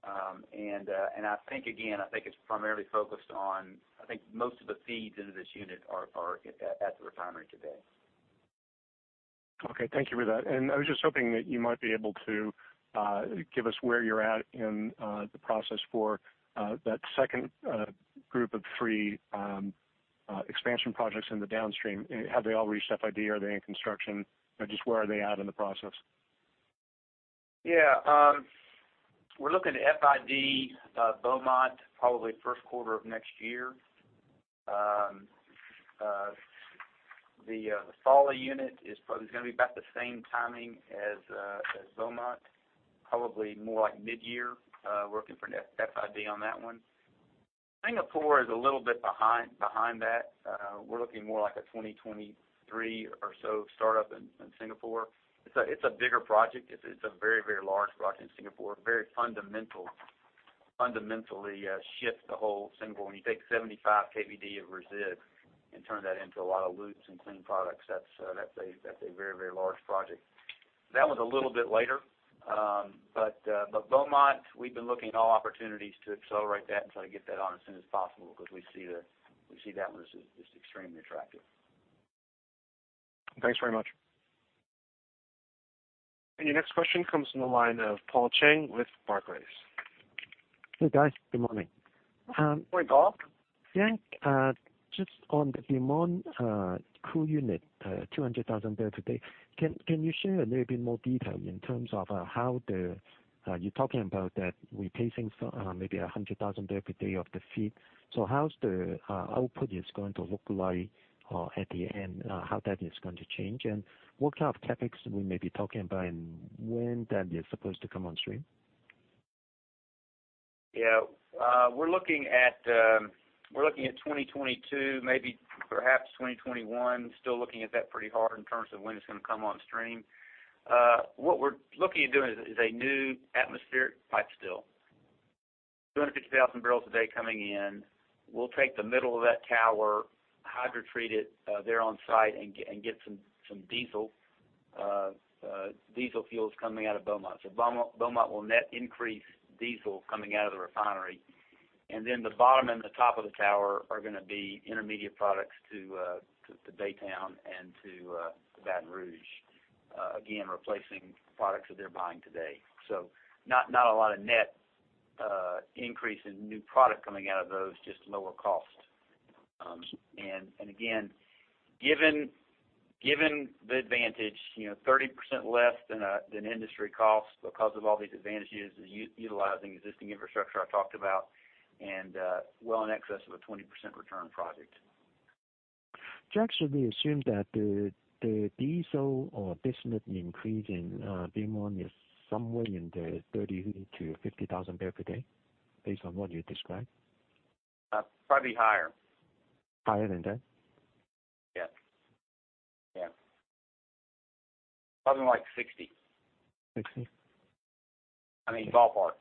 I think, again, I think it's primarily focused on. I think most of the feeds into this unit are at the refinery today. Okay. Thank you for that. I was just hoping that you might be able to give us where you're at in the process for that second group of three expansion projects in the downstream. Have they all reached FID? Are they in construction? Just where are they at in the process? Yeah. We're looking at FID Beaumont probably first quarter of next year. The Fawley unit is probably going to be about the same timing as Beaumont, probably more like mid-year. We're looking for FID on that one. Singapore is a little bit behind that. We're looking more like a 2023 or so startup in Singapore. It's a bigger project. It's a very large project in Singapore. Very fundamentally shift the whole Singapore. When you take 75 KBD of resid and turn that into a lot of lubes and clean products, that's a very large project. That one's a little bit later. Beaumont, we've been looking at all opportunities to accelerate that and try to get that on as soon as possible because we see that one as just extremely attractive. Thanks very much. Your next question comes from the line of Paul Cheng with Barclays. Hey, guys. Good morning. Morning, Paul. Yeah. Just on the Beaumont crude unit, 200,000 barrels a day, can you share a little bit more detail in terms of how you're talking about that replacing maybe 100,000 barrels a day of the feed. How's the output going to look like at the end? How that is going to change? What kind of CapEx we may be talking about, and when that is supposed to come on stream? Yeah. We're looking at 2022, maybe perhaps 2021. Still looking at that pretty hard in terms of when it's going to come on stream. What we're looking at doing is a new atmospheric pipestill. 250,000 barrels a day coming in. We'll take the middle of that tower, hydrotreat it there on site, and get some diesel fuels coming out of Beaumont. Beaumont will net increase diesel coming out of the refinery. The bottom and the top of the tower are going to be intermediate products to Baytown and to Baton Rouge. Again, replacing products that they're buying today. Not a lot of net increase in new product coming out of those, just lower cost. Again, given the advantage, 30% less than industry cost because of all these advantages utilizing existing infrastructure I talked about and well in excess of a 20% return project. Should we assume that the diesel or business increase in Beaumont is somewhere in the 30,000-50,000 barrels per day, based on what you described? Probably higher. Higher than that? Yes. Something like 60. 60? I mean, ballpark.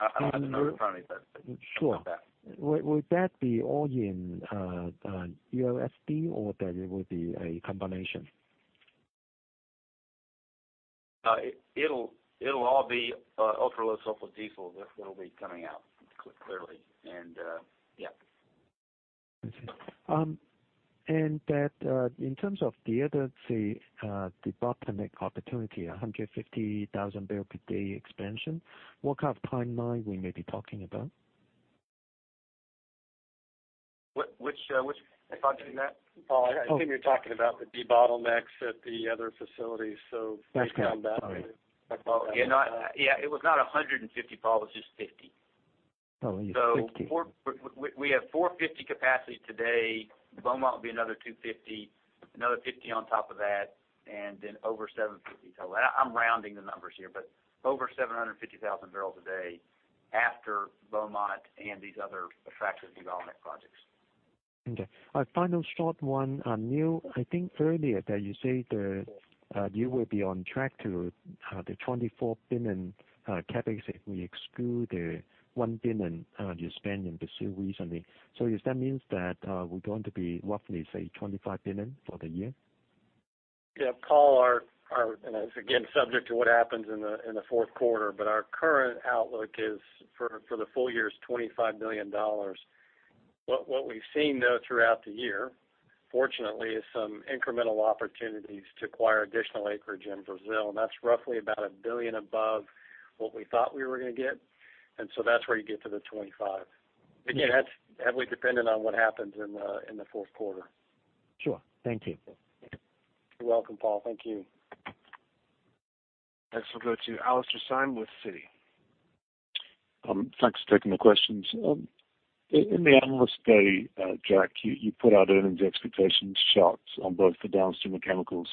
I don't know the numbers. Sure. Something like that. Will that be all in ULSD or that it will be a combination? It'll all be ultra-low sulfur diesel that will be coming out, clearly. Okay. That, in terms of the other, say, debottleneck opportunity, 150,000 barrel per day expansion, what kind of timeline we may be talking about? Which are you talking about? Paul, I assume you're talking about the debottlenecks at the other facilities. That's correct. Sorry. Please come back. Yeah. It was not 150, Paul, it was just 50. Only 50. We have 450 capacity today. Beaumont will be another 250, another 50 on top of that, over 750 total. I'm rounding the numbers here, but over 750,000 barrels a day after Beaumont and these other attractive development projects. Okay. A final short one. Neil, I think earlier that you say that you will be on track to the $24 billion CapEx if we exclude the $1 billion you spent in Brazil recently. Does that mean that we're going to be roughly, say, $25 billion for the year? Yeah. Paul, our current outlook is, for the full year, is $25 billion. What we've seen, though, throughout the year, fortunately, is some incremental opportunities to acquire additional acreage in Brazil, and that's roughly about $1 billion above what we thought we were going to get. That's where you get to the 25. Again, that's heavily dependent on what happens in the fourth quarter. Sure. Thank you. You're welcome, Paul. Thank you. Next we'll go to Alastair Syme with Citi. Thanks for taking the questions. In the analyst day, Jack, you put out earnings expectations charts on both the downstream and chemicals.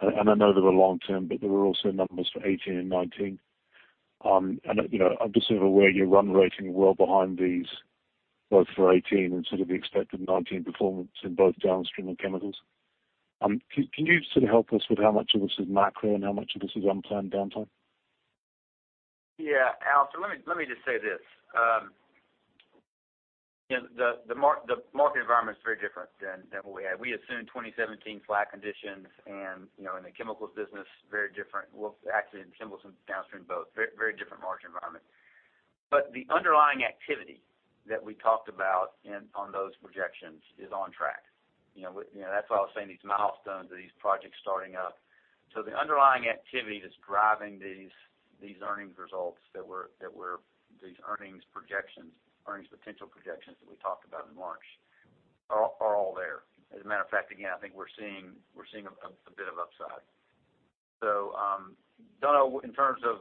I know they were long term, but there were also numbers for 2018 and 2019. I'm just sort of aware you're run rating well behind these, both for 2018 and sort of the expected 2019 performance in both downstream and chemicals. Can you sort of help us with how much of this is macro and how much of this is unplanned downtime? Alastair, let me just say this. The market environment is very different than what we had. We assumed 2017 flat conditions and in the chemicals business, very different. Well, actually, in chemicals and downstream both. Very different market environment. The underlying activity that we talked about on those projections is on track. That's why I was saying these milestones or these projects starting up. The underlying activity that's driving these earnings results, these earnings potential projections that we talked about in March, are all there. As a matter of fact, again, I think we're seeing a bit of upside. Don't know in terms of,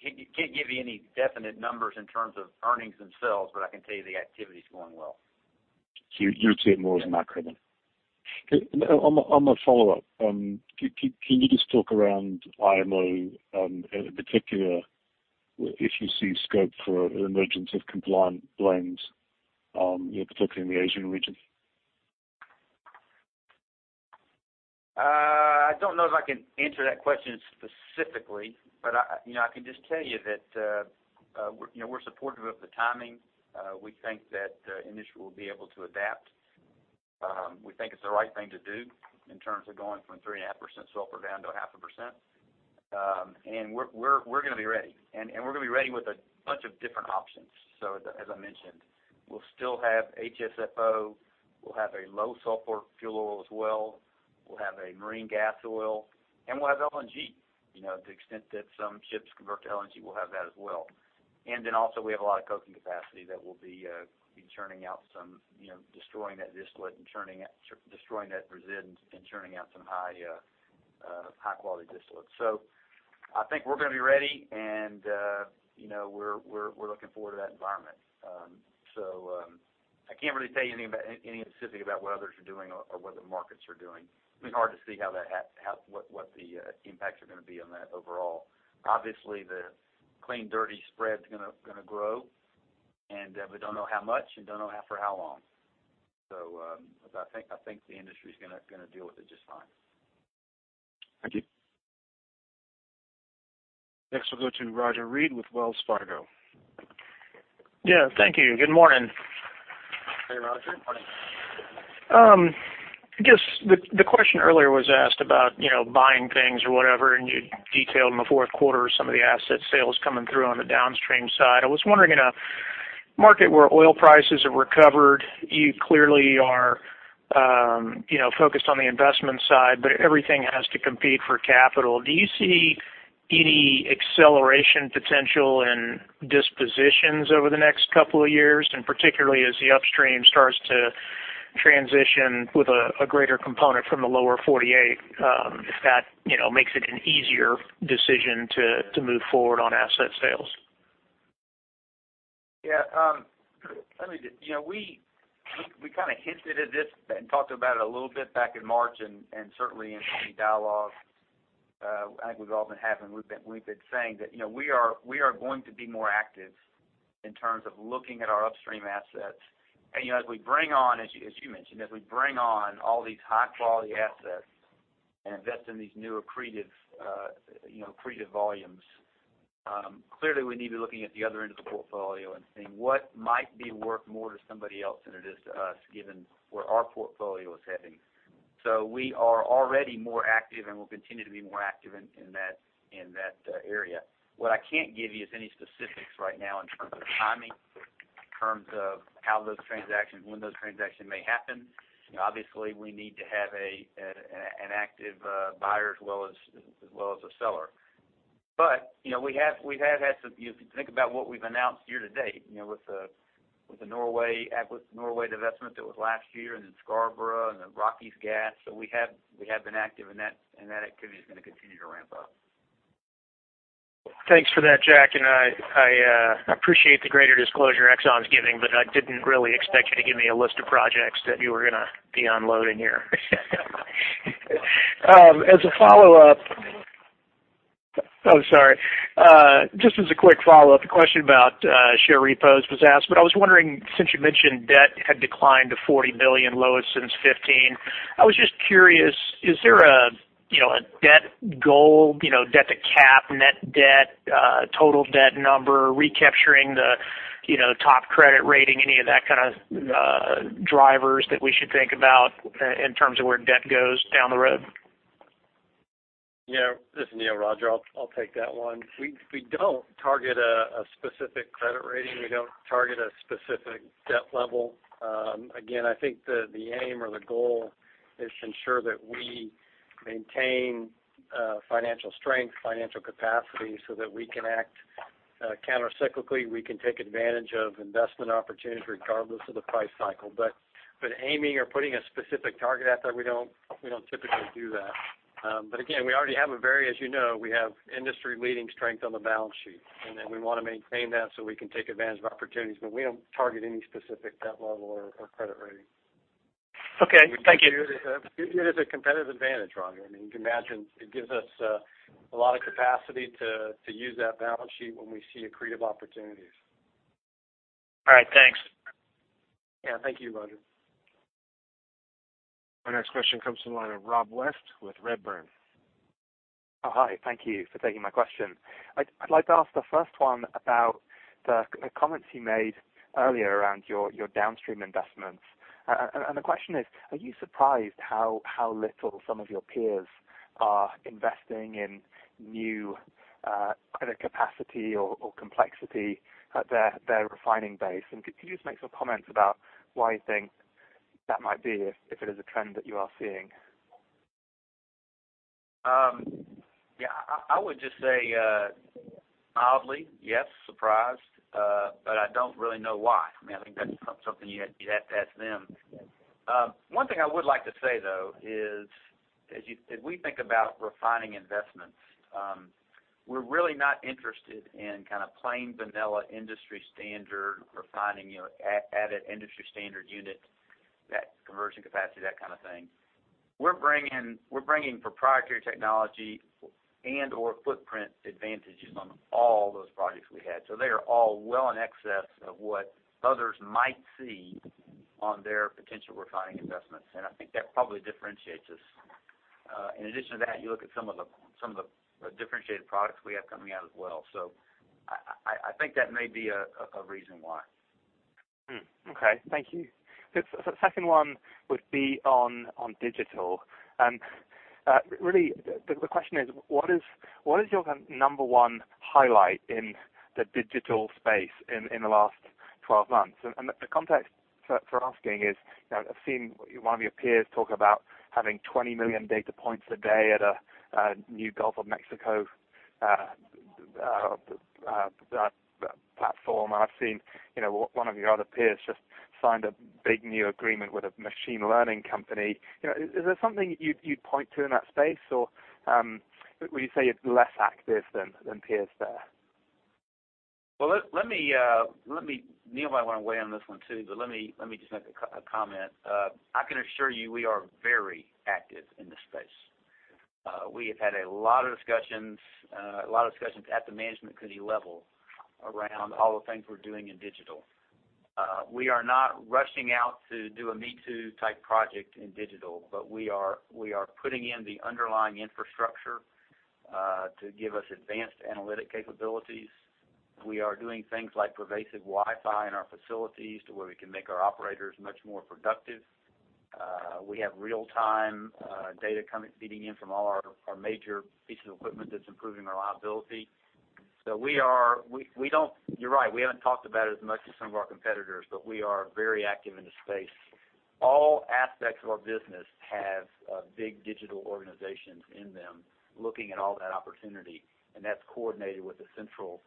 can't give you any definite numbers in terms of earnings themselves, but I can tell you the activity's going well. You would say more as macro? Yeah. On the follow-up, can you just talk around IMO, in particular, if you see scope for an emergence of compliant blends, particularly in the Asian region? I don't know if I can answer that question specifically, I can just tell you that we're supportive of the timing. We think that the industry will be able to adapt. We think it's the right thing to do in terms of going from 3.5% sulfur down to 0.5%. We're going to be ready. We're going to be ready with a bunch of different options. As I mentioned, we'll still have HSFO, we'll have a low sulfur fuel oil as well, we'll have a marine gas oil, and we'll have LNG. To the extent that some ships convert to LNG, we'll have that as well. Then also, we have a lot of coking capacity that we'll be destroying that resid and churning out some high quality distillate. I think we're going to be ready, and we're looking forward to that environment. I can't really tell you anything specific about what others are doing or what the markets are doing. It'd be hard to see what the impacts are going to be on that overall. Obviously, the clean dirty spread's going to grow, and we don't know how much and don't know for how long. I think the industry's going to deal with it just fine. Thank you. Next we'll go to Roger Read with Wells Fargo. Yeah. Thank you. Good morning. Hey, Roger. Morning. Just the question earlier was asked about buying things or whatever. You detailed in the fourth quarter some of the asset sales coming through on the downstream side. I was wondering, in a market where oil prices have recovered, you clearly are focused on the investment side, but everything has to compete for capital. Do you see any acceleration potential in dispositions over the next couple of years? Particularly as the upstream starts to transition with a greater component from the lower 48, if that makes it an easier decision to move forward on asset sales? Yeah. We kind of hinted at this and talked about it a little bit back in March. Certainly in any dialogue I think we've all been having, we've been saying that we are going to be more active in terms of looking at our upstream assets. As you mentioned, as we bring on all these high-quality assets and invest in these new accretive volumes, clearly we need to be looking at the other end of the portfolio and seeing what might be worth more to somebody else than it is to us, given where our portfolio is heading. We are already more active and will continue to be more active in that area. What I can't give you is any specifics right now in terms of timing, in terms of how those transactions, when those transactions may happen. Obviously, we need to have an active buyer as well as a seller. If you think about what we've announced year to date with the Norway divestment that was last year and then Scarborough and the Rockies gas. We have been active, and that activity is going to continue to ramp up. Thanks for that, Jack. I appreciate the greater disclosure Exxon's giving. I didn't really expect you to give me a list of projects that you were going to be unloading here. Just as a quick follow-up, a question about share repos was asked. I was wondering, since you mentioned debt had declined to $40 billion, lowest since 2015, I was just curious, is there a debt goal, debt to cap, net debt, total debt number, recapturing the top credit rating, any of that kind of drivers that we should think about in terms of where debt goes down the road? This is Neil, Roger. I'll take that one. We don't target a specific credit rating. We don't target a specific debt level. Again, I think the aim or the goal is to ensure that we maintain financial strength, financial capacity so that we can act counter-cyclically. We can take advantage of investment opportunities regardless of the price cycle. Aiming or putting a specific target out there, we don't typically do that. Again, as you know, we have industry-leading strength on the balance sheet, we want to maintain that so we can take advantage of opportunities. We don't target any specific debt level or credit rating. Thank you. It is a competitive advantage, Roger. I mean, you can imagine it gives us a lot of capacity to use that balance sheet when we see accretive opportunities. All right. Thanks. Yeah. Thank you, Roger. Our next question comes from the line of Rob West with Redburn. Hi. Thank you for taking my question. I'd like to ask the first one about the comments you made earlier around your downstream investments. The question is, are you surprised how little some of your peers are investing in new capacity or complexity at their refining base? Could you just make some comments about why you think that might be if it is a trend that you are seeing? Yeah. I would just say, oddly, yes, surprised. I don't really know why. I think that's something you'd have to ask them. One thing I would like to say, though, is if we think about refining investments, we're really not interested in kind of plain vanilla industry standard refining, added industry standard unit, that conversion capacity, that kind of thing. We're bringing proprietary technology and/or footprint advantages on all those projects we had. They are all well in excess of what others might see on their potential refining investments. I think that probably differentiates us. In addition to that, you look at some of the differentiated products we have coming out as well. I think that may be a reason why. Okay. Thank you. Really, the question is: What is your number 1 highlight in the digital space in the last 12 months? The context for asking is, I've seen one of your peers talk about having 20 million data points a day at a new Gulf of Mexico platform. I've seen one of your other peers just signed a big new agreement with a machine learning company. Is there something you'd point to in that space, or would you say you're less active than peers there? Well, Neil might want to weigh in on this one too, but let me just make a comment. I can assure you, we are very active in this space. We have had a lot of discussions at the management committee level around all the things we're doing in digital. We are not rushing out to do a me-too type project in digital, but we are putting in the underlying infrastructure to give us advanced analytic capabilities. We are doing things like pervasive Wi-Fi in our facilities to where we can make our operators much more productive. We have real-time data feeding in from all our major pieces of equipment that's improving our reliability. You're right, we haven't talked about it as much as some of our competitors, but we are very active in the space. All aspects of our business have big digital organizations in them looking at all that opportunity, and that's coordinated with a central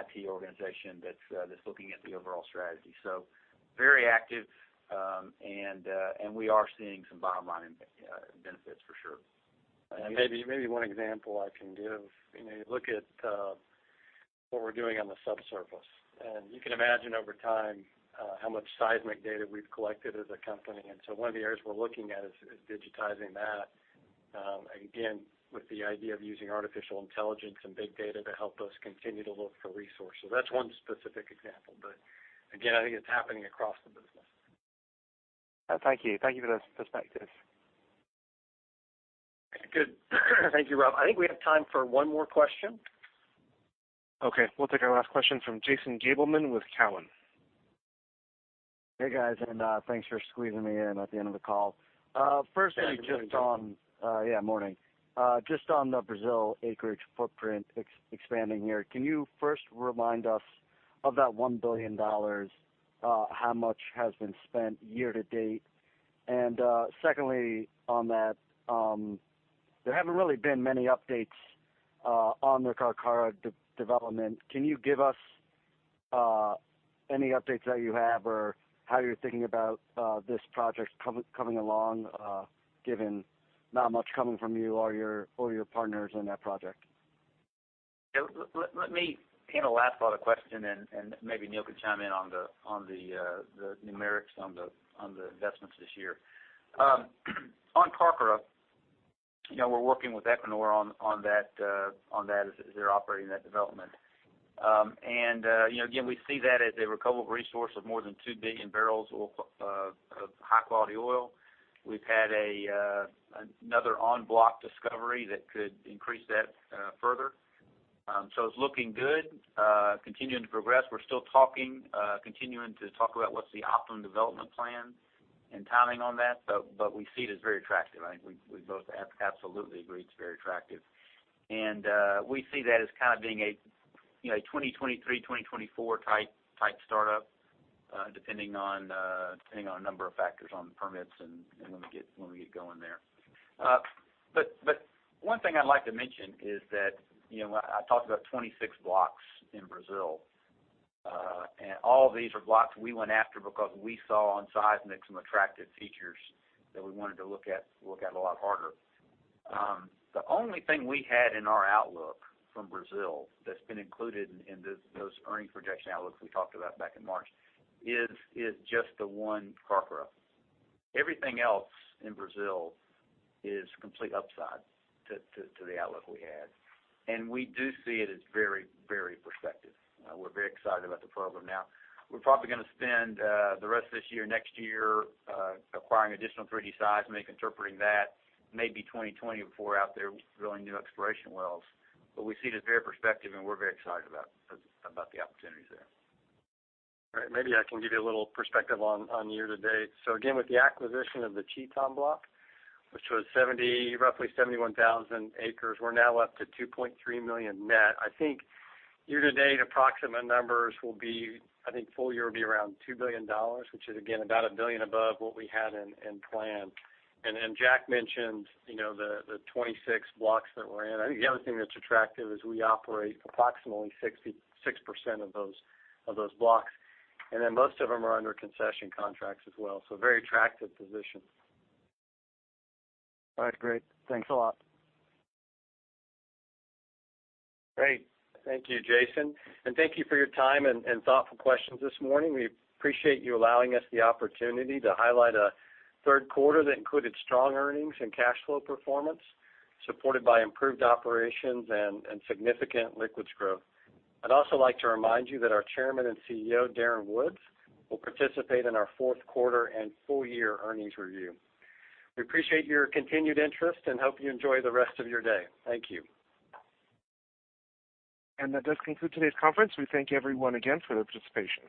IT organization that's looking at the overall strategy. Very active, and we are seeing some bottom-line benefits for sure. Maybe one example I can give, look at what we're doing on the subsurface. You can imagine over time how much seismic data we've collected as a company. One of the areas we're looking at is digitizing that, again, with the idea of using artificial intelligence and big data to help us continue to look for resources. That's one specific example. Again, I think it's happening across the business. Thank you. Thank you for the perspective. Good. Thank you, Rob. I think we have time for one more question. Okay, we'll take our last question from Jason Gabelman with Cowen. Thanks for squeezing me in at the end of the call. Yeah, good morning. Morning. Just on the Brazil acreage footprint expanding here, can you first remind us of that $1 billion, how much has been spent year to date? Secondly, on that, there haven't really been many updates on the Carcará development. Can you give us any updates that you have or how you're thinking about this project coming along given not much coming from you or your partners on that project? Let me kind of laugh off the question, and maybe Neil could chime in on the numerics on the investments this year. On Carcará, we're working with Equinor on that as they're operating that development. Again, we see that as a recoverable resource of more than 2 billion barrels of high-quality oil. We've had another on-block discovery that could increase that further. It's looking good, continuing to progress. We're still continuing to talk about what's the optimum development plan and timing on that, we see it as very attractive. I think we both absolutely agree it's very attractive. We see that as kind of being a 2023, 2024 type startup, depending on a number of factors on the permits and when we get going there. One thing I'd like to mention is that I talked about 26 blocks in Brazil, and all of these are blocks we went after because we saw on 3D seismic some attractive features that we wanted to look at a lot harder. The only thing we had in our outlook from Brazil that's been included in those earning projection outlooks we talked about back in March is just the one Carcará. Everything else in Brazil is complete upside to the outlook we had. We do see it as very prospective. We're very excited about the program now. We're probably going to spend the rest of this year, next year acquiring additional 3D seismic, interpreting that. Maybe 2024 out there drilling new exploration wells. We see it as very prospective, and we're very excited about the opportunities there. All right. Maybe I can give you a little perspective on year to date. Again, with the acquisition of the Kaieteur block, which was roughly 71,000 acres, we're now up to 2.3 million net. I think year to date approximate numbers will be, I think full year will be around $2 billion, which is again, about a billion above what we had in plan. Jack mentioned the 26 blocks that we're in. I think the other thing that's attractive is we operate approximately 66% of those blocks. Most of them are under concession contracts as well. Very attractive position. All right, great. Thanks a lot. Great. Thank you, Jason. Thank you for your time and thoughtful questions this morning. We appreciate you allowing us the opportunity to highlight a third quarter that included strong earnings and cash flow performance, supported by improved operations and significant liquids growth. I'd also like to remind you that our Chairman and CEO, Darren Woods, will participate in our fourth quarter and full year earnings review. We appreciate your continued interest and hope you enjoy the rest of your day. Thank you. That does conclude today's conference. We thank everyone again for their participation.